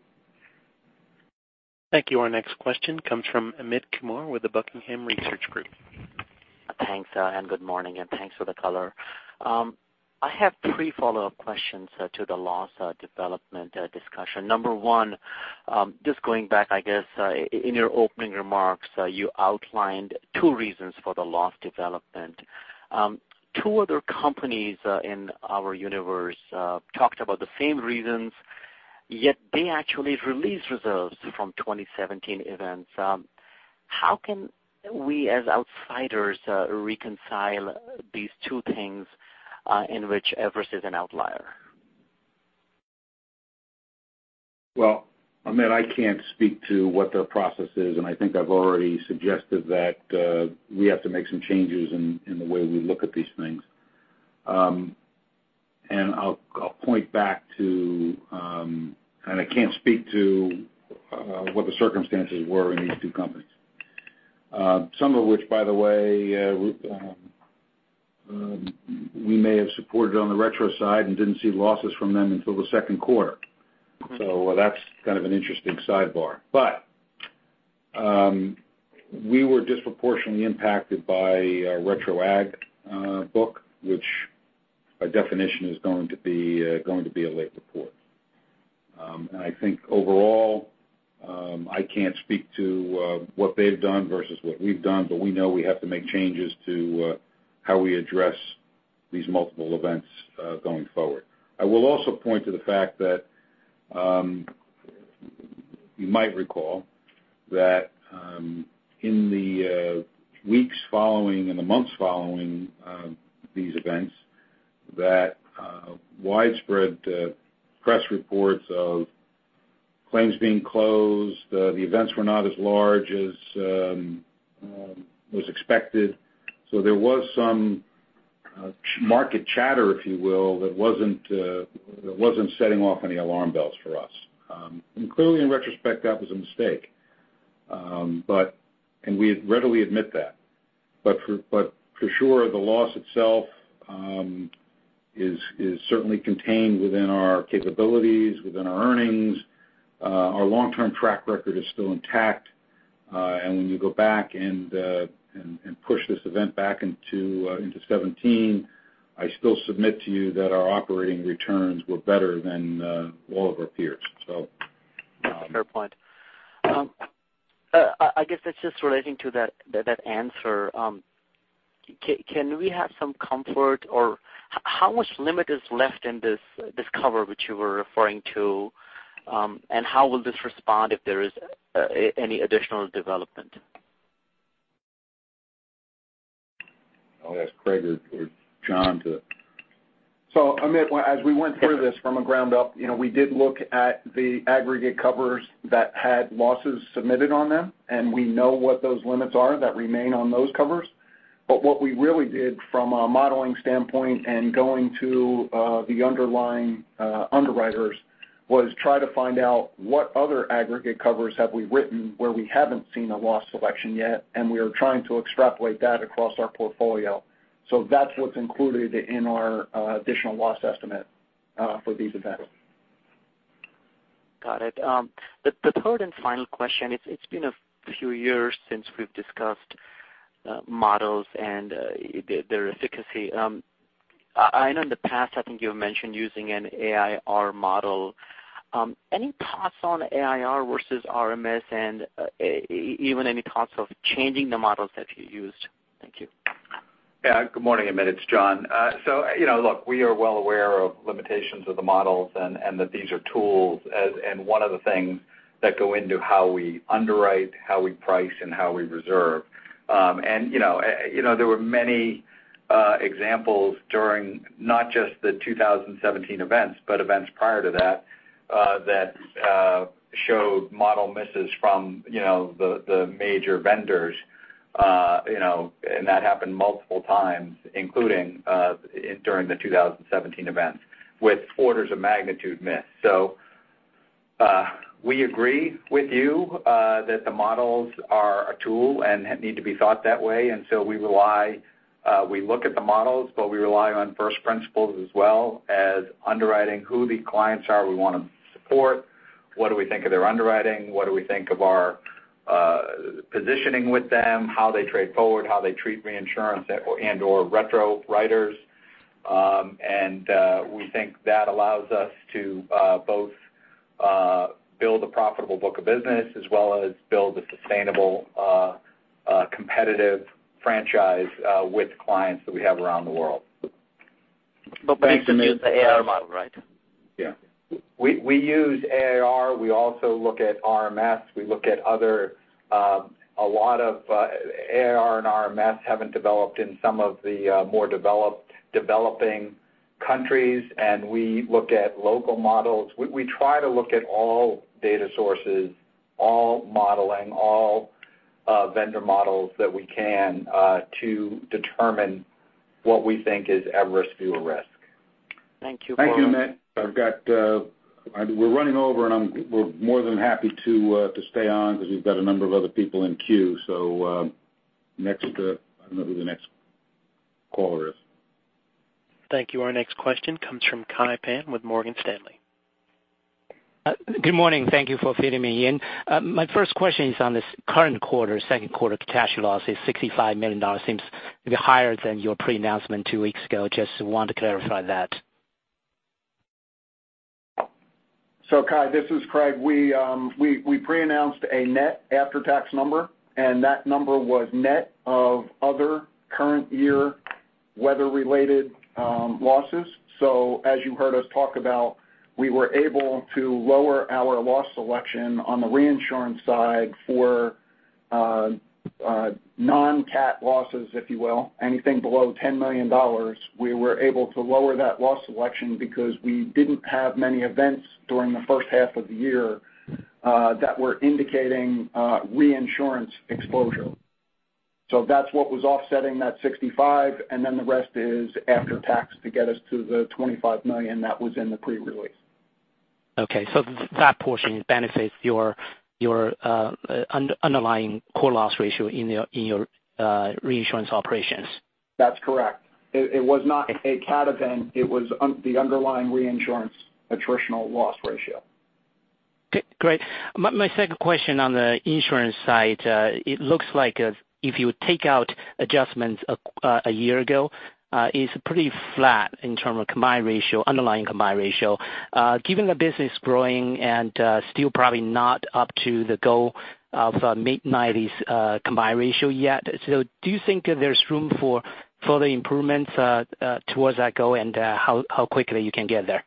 Thank you. Our next question comes from Amit Kumar with the Buckingham Research Group. Thanks, and good morning, and thanks for the color. I have three follow-up questions to the loss development discussion. Number one, just going back, I guess, in your opening remarks, you outlined two reasons for the loss development. Two other companies in our universe talked about the same reasons, yet they actually released reserves from 2017 events. How can we, as outsiders, reconcile these two things in which Everest is an outlier? Well, Amit, I can't speak to what their process is, I think I've already suggested that we have to make some changes in the way we look at these things. I'll point back to. I can't speak to what the circumstances were in these two companies. Some of which, by the way, we may have supported on the retrocession side and didn't see losses from them until the second quarter. That's kind of an interesting sidebar. We were disproportionately impacted by our retrocession agg book, which by definition is going to be a late report. I think overall, I can't speak to what they've done versus what we've done, but we know we have to make changes to how we address these multiple events going forward. I will also point to the fact that you might recall that in the weeks following and the months following these events, that widespread press reports of claims being closed, the events were not as large as was expected. There was some market chatter, if you will, that wasn't setting off any alarm bells for us. Clearly, in retrospect, that was a mistake. We readily admit that. For sure, the loss itself is certainly contained within our capabilities, within our earnings. Our long-term track record is still intact. When you go back and push this event back into 2017, I still submit to you that our operating returns were better than all of our peers. Fair point. I guess that's just relating to that answer. Can we have some comfort or how much limit is left in this cover which you were referring to? How will this respond if there is any additional development? I'll ask Craig or John to Amit, as we went through this from a ground up, we did look at the aggregate covers that had losses submitted on them, and we know what those limits are that remain on those covers. What we really did from a modeling standpoint and going to the underlying underwriters was try to find out what other aggregate covers have we written where we haven't seen a loss selection yet, and we are trying to extrapolate that across our portfolio. That's what's included in our additional loss estimate for these events. Got it. The third and final question, it's been a few years since we've discussed models and their efficacy. I know in the past, I think you've mentioned using an AIR model. Any thoughts on AIR versus RMS and even any thoughts of changing the models that you used? Thank you. Good morning, Amit. It's John. Look, we are well aware of limitations of the models and that these are tools and one of the things that go into how we underwrite, how we price, and how we reserve. There were many examples during not just the 2017 events, but events prior to that showed model misses from the major vendors, and that happened multiple times, including during the 2017 events with orders of magnitude miss. We agree with you that the models are a tool and need to be thought that way, and we look at the models, but we rely on first principles as well as underwriting who the clients are we want to support, what do we think of their underwriting, what do we think of our positioning with them, how they trade forward, how they treat reinsurance and/or retrocession writers. We think that allows us to both build a profitable book of business as well as build a sustainable competitive franchise with clients that we have around the world. You still use the AIR model, right? Yeah. We use AIR. We also look at RMS. We look at A lot of AIR and RMS haven't developed in some of the more developing countries, and we look at local models. We try to look at all data sources, all modeling, all vendor models that we can to determine what we think is Everest Group risk. Thank you. Thank you, Amit. We're running over and we're more than happy to stay on because we've got a number of other people in queue. Next, I don't know who the next caller is. Thank you. Our next question comes from Kai Pan with Morgan Stanley. Good morning. Thank you for fitting me in. My first question is on this current quarter, second quarter cat losses, $65 million seems to be higher than your pre-announcement two weeks ago. Just want to clarify that. Kai, this is Craig. We pre-announced a net after-tax number, and that number was net of other current year weather-related losses. As you heard us talk about, we were able to lower our loss selection on the reinsurance side for non-cat losses, if you will, anything below $10 million. We were able to lower that loss selection because we didn't have many events during the first half of the year that were indicating reinsurance exposure. That's what was offsetting that 65, and then the rest is after tax to get us to the $25 million that was in the pre-release. Okay. That portion benefits your underlying core loss ratio in your reinsurance operations? That's correct. It was not a cat event. It was the underlying reinsurance attritional loss ratio. Great. My second question on the insurance side, it looks like if you take out adjustments a year ago is pretty flat in terms of combined ratio, underlying combined ratio. Given the business growing and still probably not up to the goal of mid-90s combined ratio yet. Do you think there's room for further improvements towards that goal and how quickly you can get there?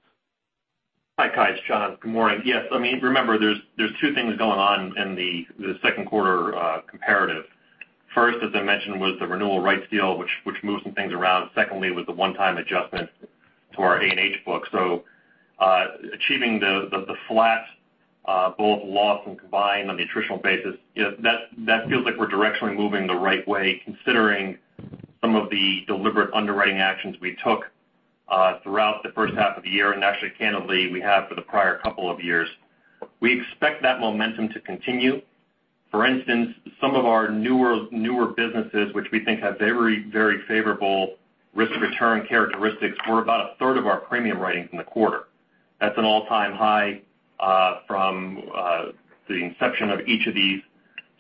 Hi, Kai. It's John. Good morning. Yes. Remember, there's two things going on in the second quarter comparative. First, as I mentioned, was the renewal rights deal, which moved some things around. Secondly, was the one-time adjustment to our A&H book. Achieving the flat both loss and combined on the attritional basis, that feels like we're directionally moving the right way considering some of the deliberate underwriting actions we took throughout the first half of the year, and actually, candidly, we have for the prior couple of years. We expect that momentum to continue. For instance, some of our newer businesses, which we think have very favorable risk-return characteristics, were about a third of our premium writings in the quarter. That's an all-time high from the inception of each of these.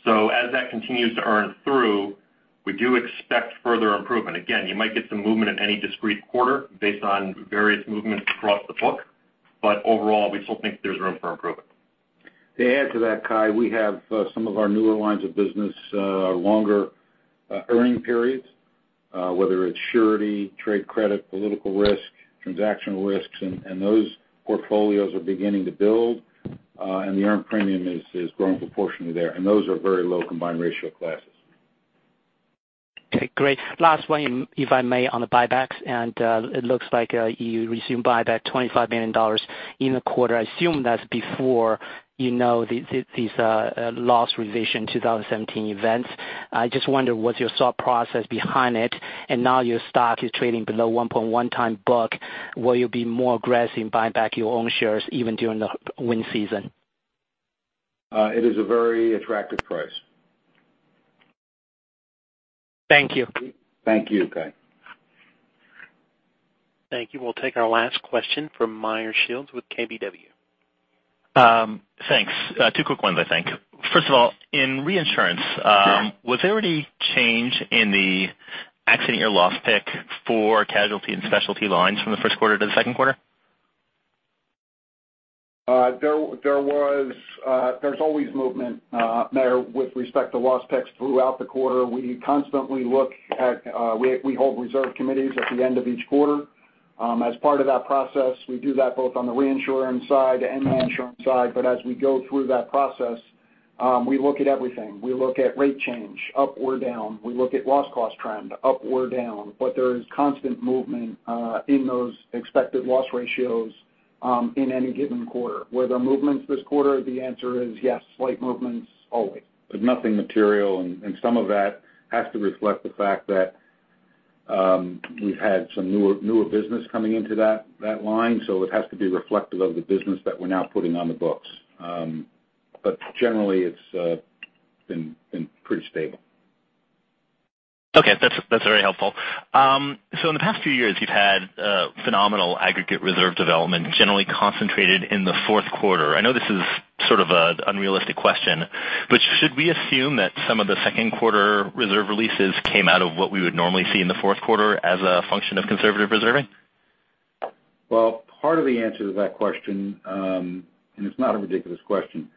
As that continues to earn through, we do expect further improvement. Again, you might get some movement in any discrete quarter based on various movements across the book. Overall, we still think there's room for improvement. To add to that, Kai, we have some of our newer lines of business are longer earning periods, whether it's surety, trade credit, political risk, transactional risks, and those portfolios are beginning to build, and the earned premium is growing proportionately there. Those are very low combined ratio classes. Okay, great. Last one, if I may, on the buybacks, it looks like you resumed buyback $25 million in the quarter. I assume that's before these loss revision 2017 events. I just wonder what's your thought process behind it? Now your stock is trading below 1.1 time book. Will you be more aggressive in buying back your own shares even during the wind season? It is a very attractive price. Thank you. Thank you, Kai. Thank you. We'll take our last question from Meyer Shields with KBW. Thanks. Two quick ones, I think. First of all, in reinsurance Sure Was there any change in the accident year loss pick for casualty and specialty lines from the first quarter to the second quarter? There's always movement, Meyer, with respect to loss picks throughout the quarter. We hold reserve committees at the end of each quarter. As part of that process, we do that both on the reinsurer side and the insurance side, but as we go through that process, we look at everything. We look at rate change, up or down. We look at loss cost trend, up or down. There is constant movement in those expected loss ratios in any given quarter. Were there movements this quarter? The answer is yes, slight movements always. Nothing material, Some of that has to reflect the fact that we've had some newer business coming into that line, so it has to be reflective of the business that we're now putting on the books. Generally, it's been pretty stable. Okay. That's very helpful. In the past few years, you've had phenomenal aggregate reserve development, generally concentrated in the fourth quarter. I know this is sort of an unrealistic question, but should we assume that some of the second quarter reserve releases came out of what we would normally see in the fourth quarter as a function of conservative reserving? Well, part of the answer to that question. It's not a ridiculous question,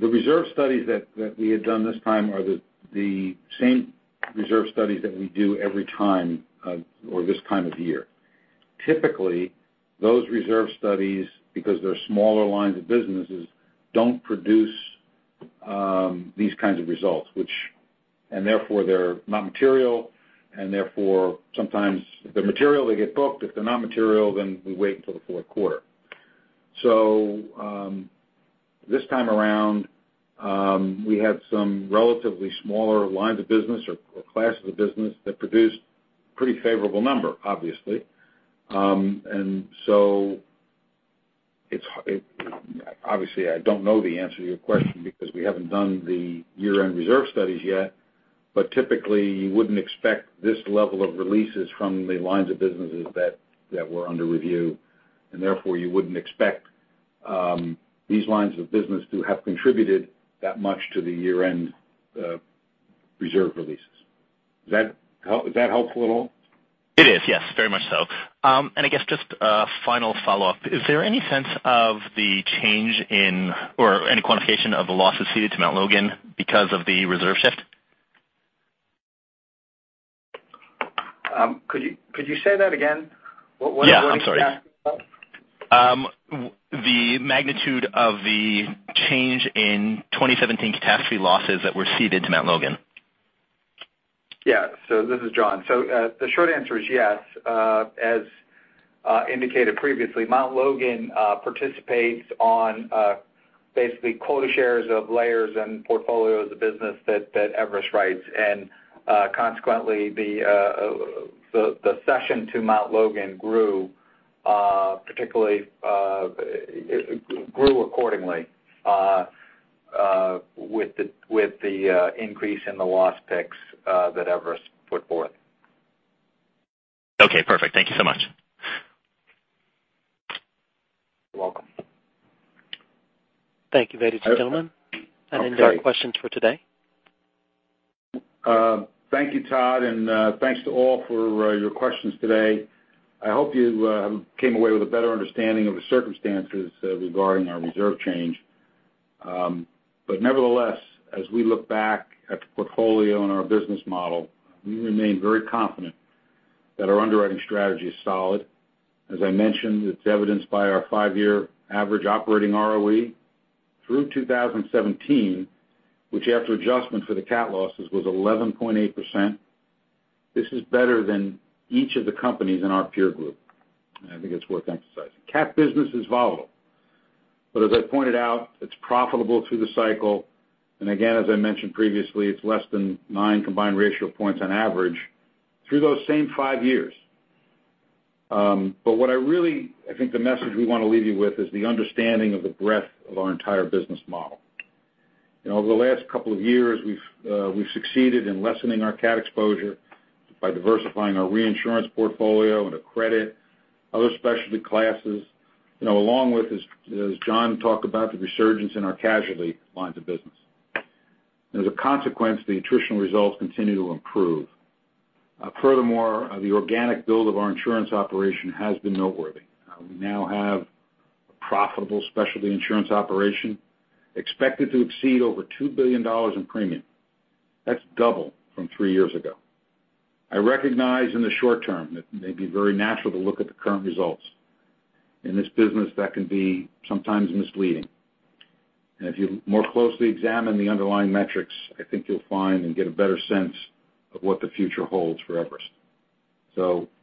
the reserve studies that we had done this time are the same reserve studies that we do every time or this time of year. Typically, those reserve studies, because they're smaller lines of businesses, don't produce these kinds of results. Therefore they're not material. Therefore sometimes if they're material, they get booked. If they're not material, then we wait until the fourth quarter. This time around, we had some relatively smaller lines of business or classes of business that produced pretty favorable number, obviously. Obviously, I don't know the answer to your question because we haven't done the year-end reserve studies yet, typically, you wouldn't expect this level of releases from the lines of businesses that were under review. Therefore you wouldn't expect these lines of business to have contributed that much to the year-end reserve releases. Is that helpful at all? It is, yes. Very much so. I guess just a final follow-up. Is there any sense of the change in, or any quantification of the losses ceded to Mt. Logan Re because of the reserve shift? Could you say that again? Yeah, I'm sorry. The last part? The magnitude of the change in 2017 catastrophe losses that were ceded to Mt. Logan. Yeah. This is John. The short answer is yes. As indicated previously, Mt. Logan participates on basically quota shares of layers and portfolios of business that Everest writes. Consequently, the cession to Mt. Logan grew accordingly with the increase in the loss picks that Everest put forth. Okay, perfect. Thank you so much. You're welcome. Thank you, ladies and gentlemen. There are no questions for today. Thank you, Todd, and thanks to all for your questions today. I hope you came away with a better understanding of the circumstances regarding our reserve change. Nevertheless, as we look back at the portfolio and our business model, we remain very confident that our underwriting strategy is solid. As I mentioned, it is evidenced by our five-year average operating ROE through 2017, which after adjustment for the cat losses, was 11.8%. This is better than each of the companies in our peer group. I think it is worth emphasizing. Cat business is volatile. As I pointed out, it is profitable through the cycle, and again, as I mentioned previously, it is less than nine combined ratio points on average through those same five years. What I really think the message we want to leave you with is the understanding of the breadth of our entire business model. Over the last couple of years, we have succeeded in lessening our cat exposure by diversifying our reinsurance portfolio into credit, other specialty classes, along with, as John talked about, the resurgence in our casualty lines of business. As a consequence, the attritional results continue to improve. Furthermore, the organic build of our insurance operation has been noteworthy. We now have a profitable specialty insurance operation expected to exceed over $2 billion in premium. That is double from three years ago. I recognize in the short term that it may be very natural to look at the current results. In this business, that can be sometimes misleading. If you more closely examine the underlying metrics, I think you will find and get a better sense of what the future holds for Everest.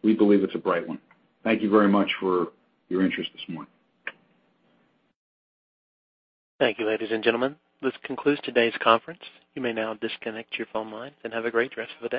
We believe it is a bright one. Thank you very much for your interest this morning. Thank you, ladies and gentlemen. This concludes today's conference. You may now disconnect your phone line and have a great rest of the day.